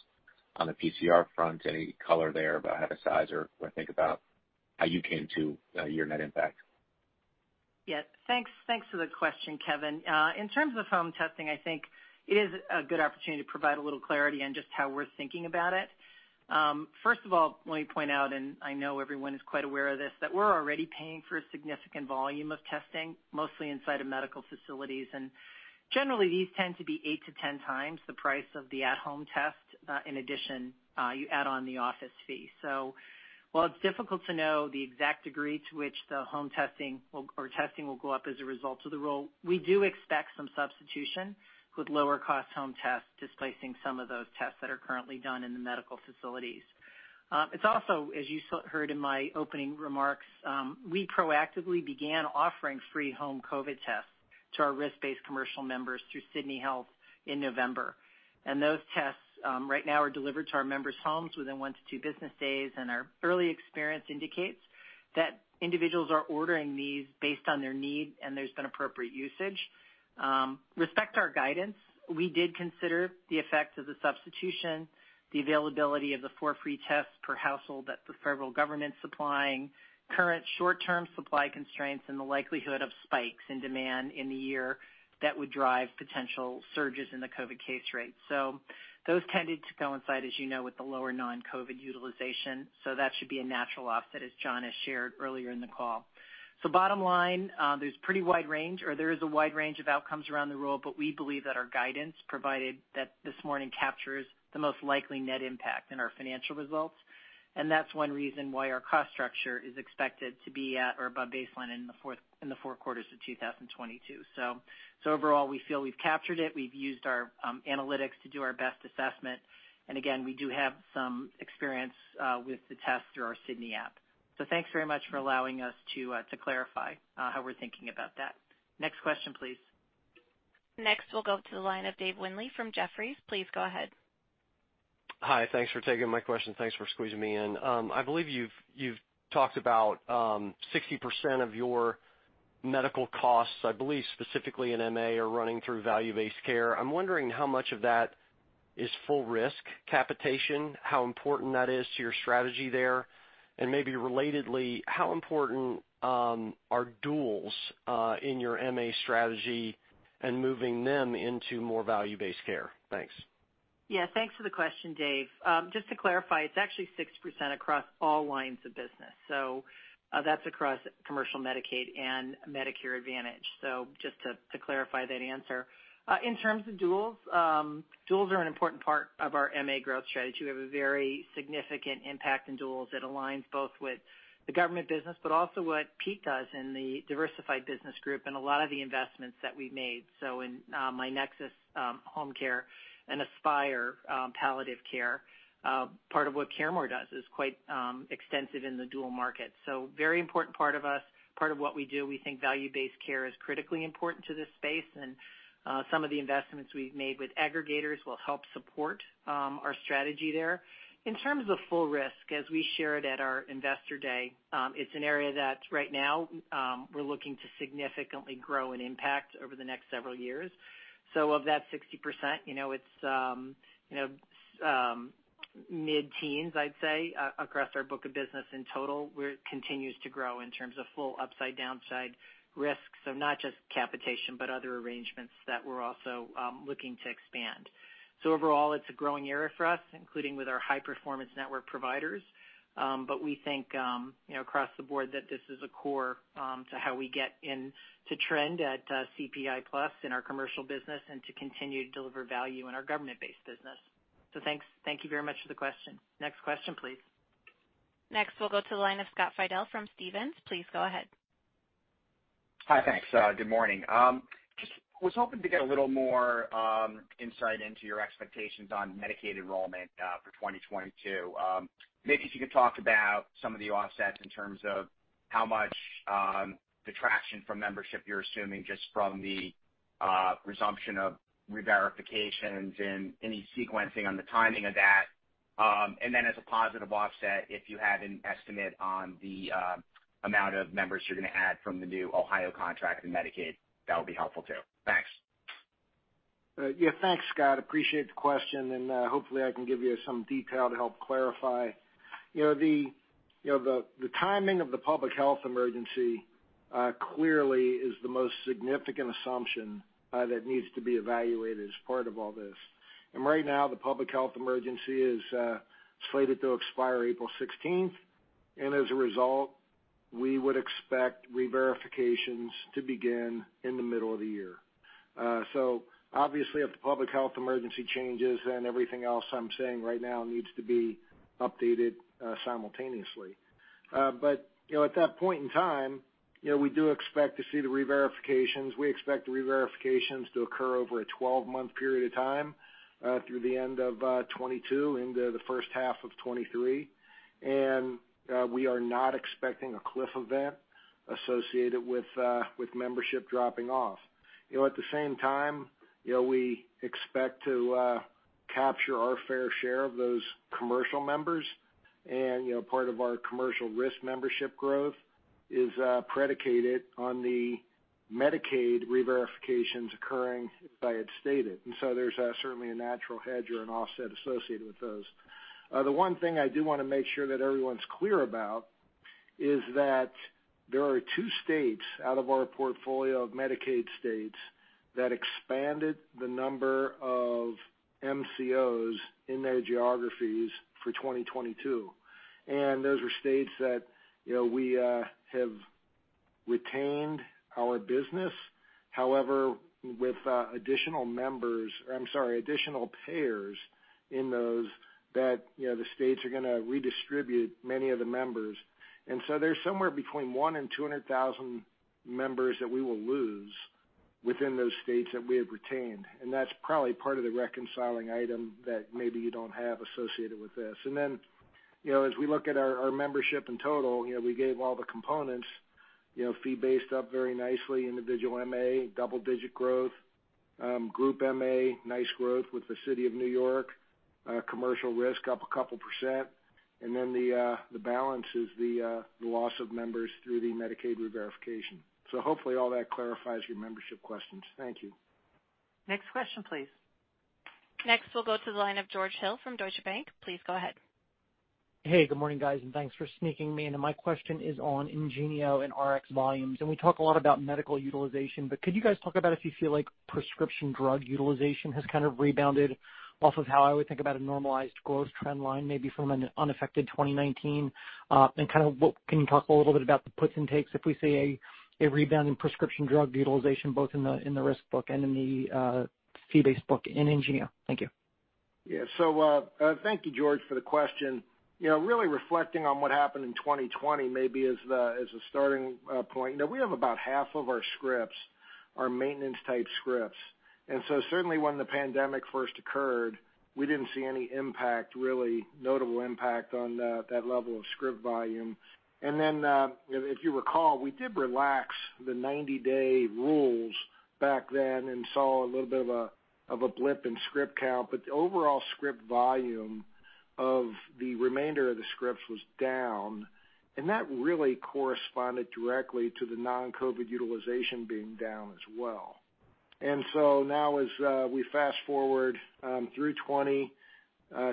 on the PCR front? Any color there about how to size or think about how you came to your net impact? Yeah. Thanks for the question, Kevin. In terms of home testing, I think it is a good opportunity to provide a little clarity on just how we're thinking about it. First of all, let me point out, and I know everyone is quite aware of this, that we're already paying for a significant volume of testing, mostly inside of medical facilities. Generally, these tend to be 8x-10x the price of the at-home test. In addition, you add on the office fee. While it's difficult to know the exact degree to which the home testing will go up as a result of the rule, we do expect some substitution with lower cost home tests, displacing some of those tests that are currently done in the medical facilities. It's also, as you heard in my opening remarks, we proactively began offering free home COVID tests to our risk-based commercial members through Sydney Health in November. Those tests, right now, are delivered to our members' homes within one to two business days, and our early experience indicates that individuals are ordering these based on their need, and there's been appropriate usage. With respect to our guidance, we did consider the effect of the substitution, the availability of the four free tests per household that the federal government's supplying, current short-term supply constraints, and the likelihood of spikes in demand in the year that would drive potential surges in the COVID case rate. Those tended to coincide, as you know, with the lower non-COVID utilization, so that should be a natural offset, as John has shared earlier in the call. Bottom line, there's pretty wide range, or there is a wide range of outcomes around the rule, but we believe that our guidance provided that this morning captures the most likely net impact in our financial results. That's one reason why our cost structure is expected to be at or above baseline in the four quarters of 2022. Overall, we feel we've captured it. We've used our analytics to do our best assessment. Again, we do have some experience with the test through our Sydney app. Thanks very much for allowing us to clarify how we're thinking about that. Next question, please. Next, we'll go to the line of Dave Windley from Jefferies. Please go ahead. Hi. Thanks for taking my question. Thanks for squeezing me in. I believe you've talked about 60% of your medical costs, I believe specifically in MA, are running through value-based care. I'm wondering how much of that is full risk capitation, how important that is to your strategy there, and maybe relatedly, how important are duals in your MA strategy and moving them into more value-based care? Thanks. Yeah. Thanks for the question, Dave. Just to clarify, it's actually 60% across all lines of business. That's across Commercial, Medicaid and Medicare Advantage. Just to clarify that answer. In terms of duals are an important part of our MA growth strategy. We have a very significant impact in duals. It aligns both with the Government Business Division, but also what Pete does in the Diversified Business Group and a lot of the investments that we've made. In myNEXUS, home care, and Aspire Health palliative care, part of what CareMore does is quite extensive in the dual market. Very important part of us, part of what we do. We think value-based care is critically important to this space, and some of the investments we've made with aggregators will help support our strategy there. In terms of full risk, as we shared at our Investor Day, it's an area that right now, we're looking to significantly grow and impact over the next several years. Of that 60%, you know, it's mid-teens%, I'd say, across our book of business in total, where it continues to grow in terms of full upside/downside risk. Not just capitation, but other arrangements that we're also looking to expand. Overall, it's a growing area for us, including with our high-performance network providers. But we think, you know, across the board that this is a core to how we get in to trend at CPI plus in our commercial business and to continue to deliver value in our government-based business. Thanks. Thank you very much for the question. Next question, please. Next, we'll go to the line of Scott Fidel from Stephens. Please go ahead. Hi, thanks. Good morning. Just was hoping to get a little more insight into your expectations on Medicaid enrollment for 2022. Maybe if you could talk about some of the offsets in terms of how much detraction from membership you're assuming just from the resumption of reverifications and any sequencing on the timing of that. As a positive offset, if you had an estimate on the amount of members you're gonna add from the new Ohio contract in Medicaid, that would be helpful too. Thanks. Yeah, thanks, Scott. Appreciate the question, and hopefully I can give you some detail to help clarify. You know, the timing of the public health emergency clearly is the most significant assumption that needs to be evaluated as part of all this. Right now, the public health emergency is slated to expire April sixteenth. As a result, we would expect reverifications to begin in the middle of the year. Obviously, if the public health emergency changes, then everything else I'm saying right now needs to be updated simultaneously. You know, at that point in time, you know, we do expect to see the reverifications. We expect the reverifications to occur over a 12-month period of time through the end of 2022 into the first half of 2023. We are not expecting a cliff event associated with membership dropping off. You know, at the same time, you know, we expect to capture our fair share of those commercial members. You know, part of our commercial risk membership growth is predicated on the Medicaid reverifications occurring as I had stated. So there's certainly a natural hedge or an offset associated with those. The one thing I do wanna make sure that everyone's clear about is that there are two states out of our portfolio of Medicaid states that expanded the number of MCOs in their geographies for 2022. Those are states that, you know, we have retained our business. However, with additional payers in those, you know, the states are gonna redistribute many of the members. There's somewhere between 100,000-200,000 members that we will lose within those states that we have retained. That's probably part of the reconciling item that maybe you don't have associated with this. Then, you know, as we look at our membership in total, you know, we gave all the components. You know, fee-based up very nicely. Individual MA, double-digit growth. Group MA, nice growth with the City of New York. Commercial risk up a couple %. The balance is the loss of members through the Medicaid reverification. Hopefully all that clarifies your membership questions. Thank you. Next question, please. Next, we'll go to the line of George Hill from Deutsche Bank. Please go ahead. Hey, good morning, guys, and thanks for sneaking me in. My question is on IngenioRx volumes. We talk a lot about medical utilization, but could you guys talk about if you feel like prescription drug utilization has kind of rebounded off of how I would think about a normalized growth trend line, maybe from an unaffected 2019? Can you talk a little bit about the puts and takes if we see a rebound in prescription drug utilization, both in the risk book and in the fee-based book in IngenioRx? Thank you. Yeah. Thank you, George, for the question. You know, really reflecting on what happened in 2020 maybe as a starting point, you know, we have about half of our scripts are maintenance type scripts. Certainly when the pandemic first occurred, we didn't see any impact, really notable impact on that level of script volume. Then, if you recall, we did relax the 90-day rules back then and saw a little bit of a blip in script count. The overall script volume of the remainder of the scripts was down, and that really corresponded directly to the non-COVID utilization being down as well. Now as we fast-forward through 2020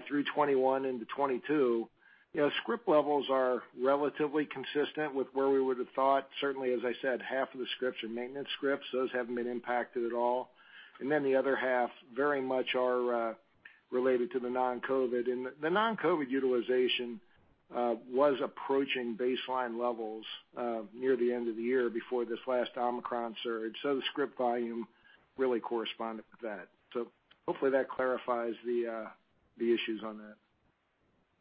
through 2021 into 2022, you know, script levels are relatively consistent with where we would have thought. Certainly, as I said, half of the scripts are maintenance scripts. Those haven't been impacted at all. Then the other half very much are related to the non-COVID. The non-COVID utilization was approaching baseline levels near the end of the year before this last Omicron surge. The script volume really corresponded with that. Hopefully that clarifies the issues on that.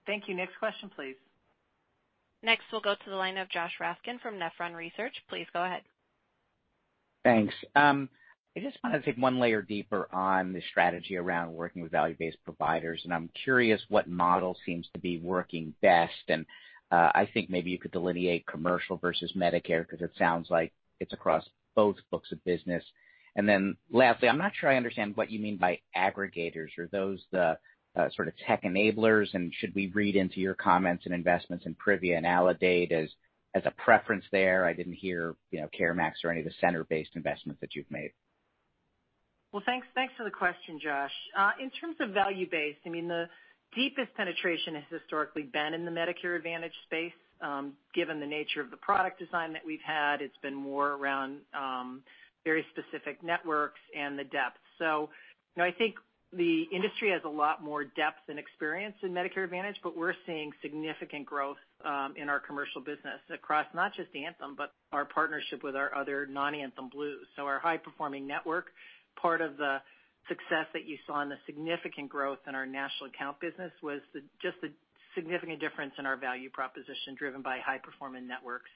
Thank you. Next question, please. Next, we'll go to the line of Josh Raskin from Nephron Research. Please go ahead. Thanks. I just wanna dig one layer deeper on the strategy around working with value-based providers, and I'm curious what model seems to be working best. I think maybe you could delineate commercial versus Medicare because it sounds like it's across both books of business. Lastly, I'm not sure I understand what you mean by aggregators. Are those the sort of tech enablers? Should we read into your comments and investments in Privia and Aledade as a preference there? I didn't hear, you know, CareMax or any of the center-based investments that you've made. Thanks for the question, Josh. In terms of value-based, I mean, the deepest penetration has historically been in the Medicare Advantage space. Given the nature of the product design that we've had, it's been more around very specific networks and the depth. You know, I think the industry has a lot more depth and experience in Medicare Advantage, but we're seeing significant growth in our commercial business across not just Anthem, but our partnership with our other non-Anthem Blues. Our high-performing network, part of the success that you saw in the significant growth in our national account business was just the significant difference in our value proposition driven by high-performing networks.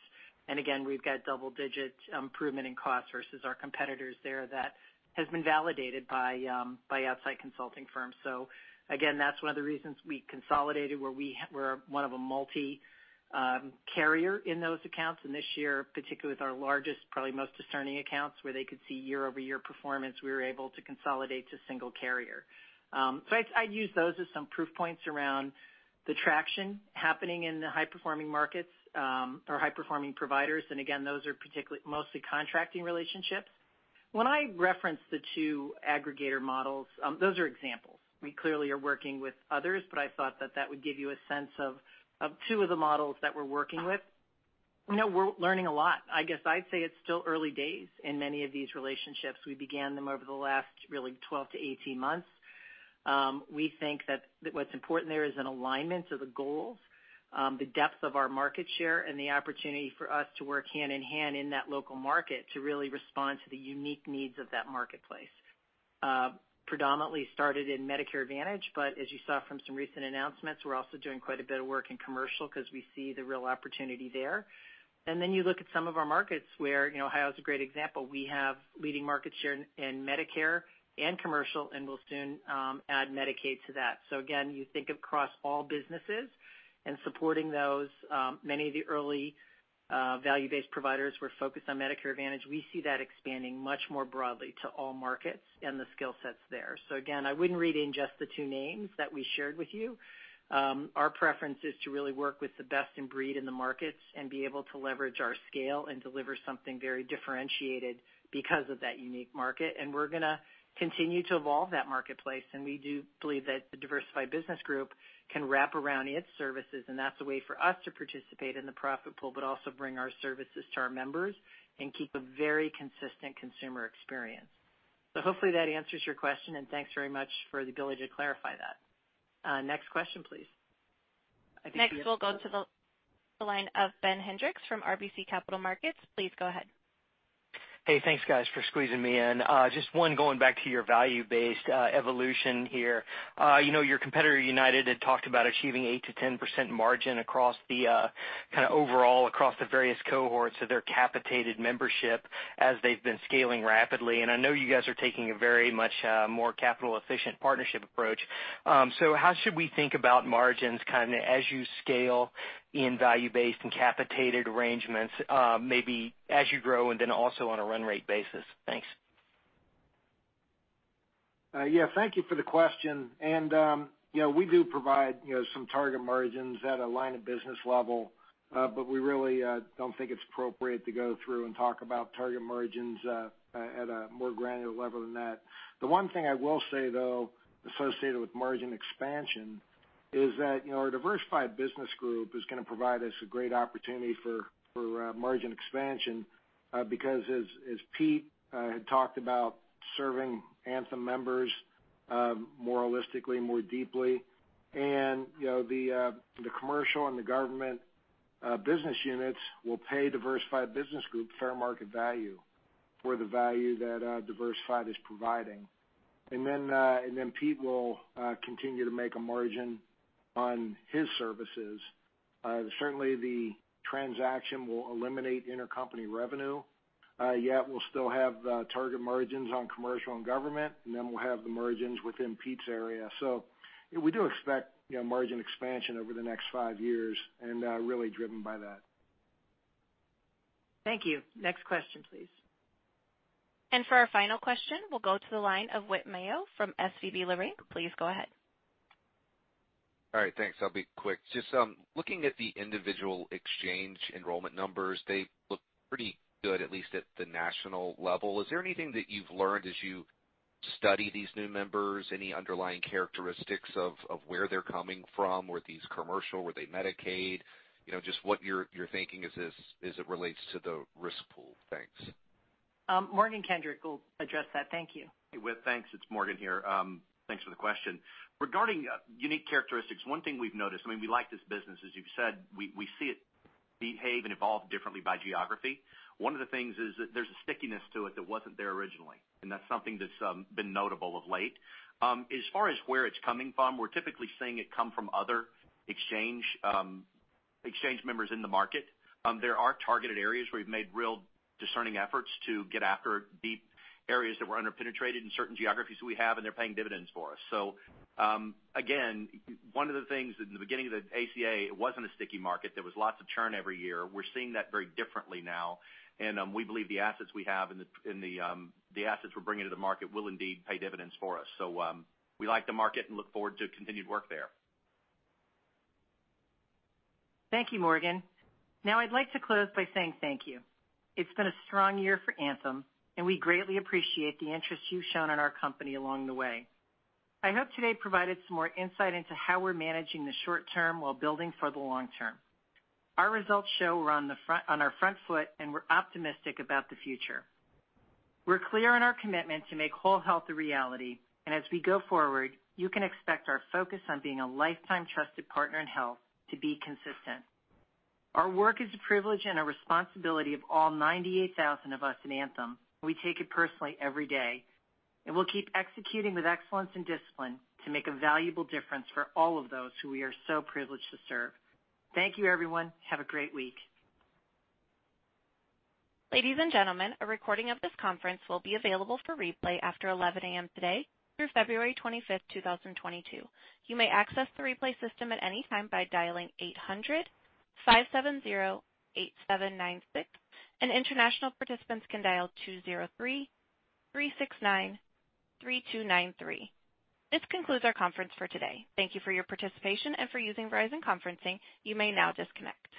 Again, we've got double-digit improvement in cost versus our competitors there that has been validated by outside consulting firms. Again, that's one of the reasons we consolidated where we're one of a multi carrier in those accounts. This year, particularly with our largest, probably most discerning accounts, where they could see year-over-year performance, we were able to consolidate to single carrier. I'd use those as some proof points around the traction happening in the high-performing markets or high-performing providers. Again, those are particularly mostly contracting relationships. When I reference the two aggregator models, those are examples. We clearly are working with others, but I thought that would give you a sense of two of the models that we're working with. No, we're learning a lot. I guess I'd say it's still early days in many of these relationships. We began them over the last really 12-18 months. We think that what's important there is an alignment of the goals, the depth of our market share, and the opportunity for us to work hand-in-hand in that local market to really respond to the unique needs of that marketplace. Predominantly started in Medicare Advantage, but as you saw from some recent announcements, we're also doing quite a bit of work in commercial 'cause we see the real opportunity there. You look at some of our markets where, you know, Ohio is a great example. We have leading market share in Medicare and commercial, and we'll soon add Medicaid to that. Again, you think across all businesses and supporting those, many of the early value-based providers were focused on Medicare Advantage. We see that expanding much more broadly to all markets and the skill sets there. Again, I wouldn't read in just the two names that we shared with you. Our preference is to really work with the best in breed in the markets and be able to leverage our scale and deliver something very differentiated because of that unique market. We're gonna continue to evolve that marketplace, and we do believe that the Diversified Business Group can wrap around its services, and that's a way for us to participate in the profit pool, but also bring our services to our members and keep a very consistent consumer experience. Hopefully that answers your question, and thanks very much for the ability to clarify that. Next question, please. Next, we'll go to the line of Ben Hendrix from RBC Capital Markets. Please go ahead. Hey, thanks guys for squeezing me in. Just one going back to your value-based evolution here. You know, your competitor, UnitedHealth, had talked about achieving 8%-10% margin across the kind of overall across the various cohorts of their capitated membership as they've been scaling rapidly. I know you guys are taking a very much more capital efficient partnership approach. How should we think about margins kind of as you scale in value-based and capitated arrangements, maybe as you grow and then also on a run rate basis? Thanks. Yeah, thank you for the question. You know, we do provide some target margins at a line of business level, but we really don't think it's appropriate to go through and talk about target margins at a more granular level than that. The one thing I will say, though, associated with margin expansion is that, you know, our Diversified Business Group is gonna provide us a great opportunity for margin expansion, because as Pete had talked about serving Anthem members more holistically, more deeply. You know, the commercial and the government business units will pay Diversified Business Group fair market value for the value that Diversified is providing. Then Pete will continue to make a margin on his services. Certainly the transaction will eliminate intercompany revenue, yet we'll still have target margins on commercial and government, and then we'll have the margins within Pete's area. So we do expect, you know, margin expansion over the next five years and really driven by that. Thank you. Next question, please. For our final question, we'll go to the line of Whit Mayo from SVB Leerink. Please go ahead. All right, thanks. I'll be quick. Just looking at the individual exchange enrollment numbers, they look pretty good, at least at the national level. Is there anything that you've learned as you study these new members? Any underlying characteristics of where they're coming from? Were these commercial? Were they Medicaid? You know, just what your thinking is as it relates to the risk pool. Thanks. Morgan Kendrick will address that. Thank you. Hey, Whit, thanks. It's Morgan here. Thanks for the question. Regarding unique characteristics, one thing we've noticed, I mean, we like this business. As you've said, we see it behave and evolve differently by geography. One of the things is that there's a stickiness to it that wasn't there originally, and that's something that's been notable of late. As far as where it's coming from, we're typically seeing it come from other exchange members in the market. There are targeted areas where we've made real discerning efforts to get after deep areas that were under-penetrated in certain geographies we have, and they're paying dividends for us. Again, one of the things in the beginning of the ACA, it wasn't a sticky market. There was lots of churn every year. We're seeing that very differently now, and we believe the assets we have and the assets we're bringing to the market will indeed pay dividends for us. We like the market and look forward to continued work there. Thank you, Morgan. Now I'd like to close by saying thank you. It's been a strong year for Anthem, and we greatly appreciate the interest you've shown in our company along the way. I hope today provided some more insight into how we're managing the short term while building for the long term. Our results show we're on the front, on our front foot, and we're optimistic about the future. We're clear on our commitment to make whole health a reality, and as we go forward, you can expect our focus on being a lifetime trusted partner in health to be consistent. Our work is a privilege and a responsibility of all 98,000 of us in Anthem. We take it personally every day, and we'll keep executing with excellence and discipline to make a valuable difference for all of those who we are so privileged to serve. Thank you, everyone. Have a great week. Ladies and gentlemen, a recording of this conference will be available for replay after 11 A.M. today through February 25th, 2022. You may access the replay system at any time by dialing 800-570-8796, and international participants can dial 203-369-3293. This concludes our conference for today. Thank you for your participation and for using Verizon Conferencing. You may now disconnect.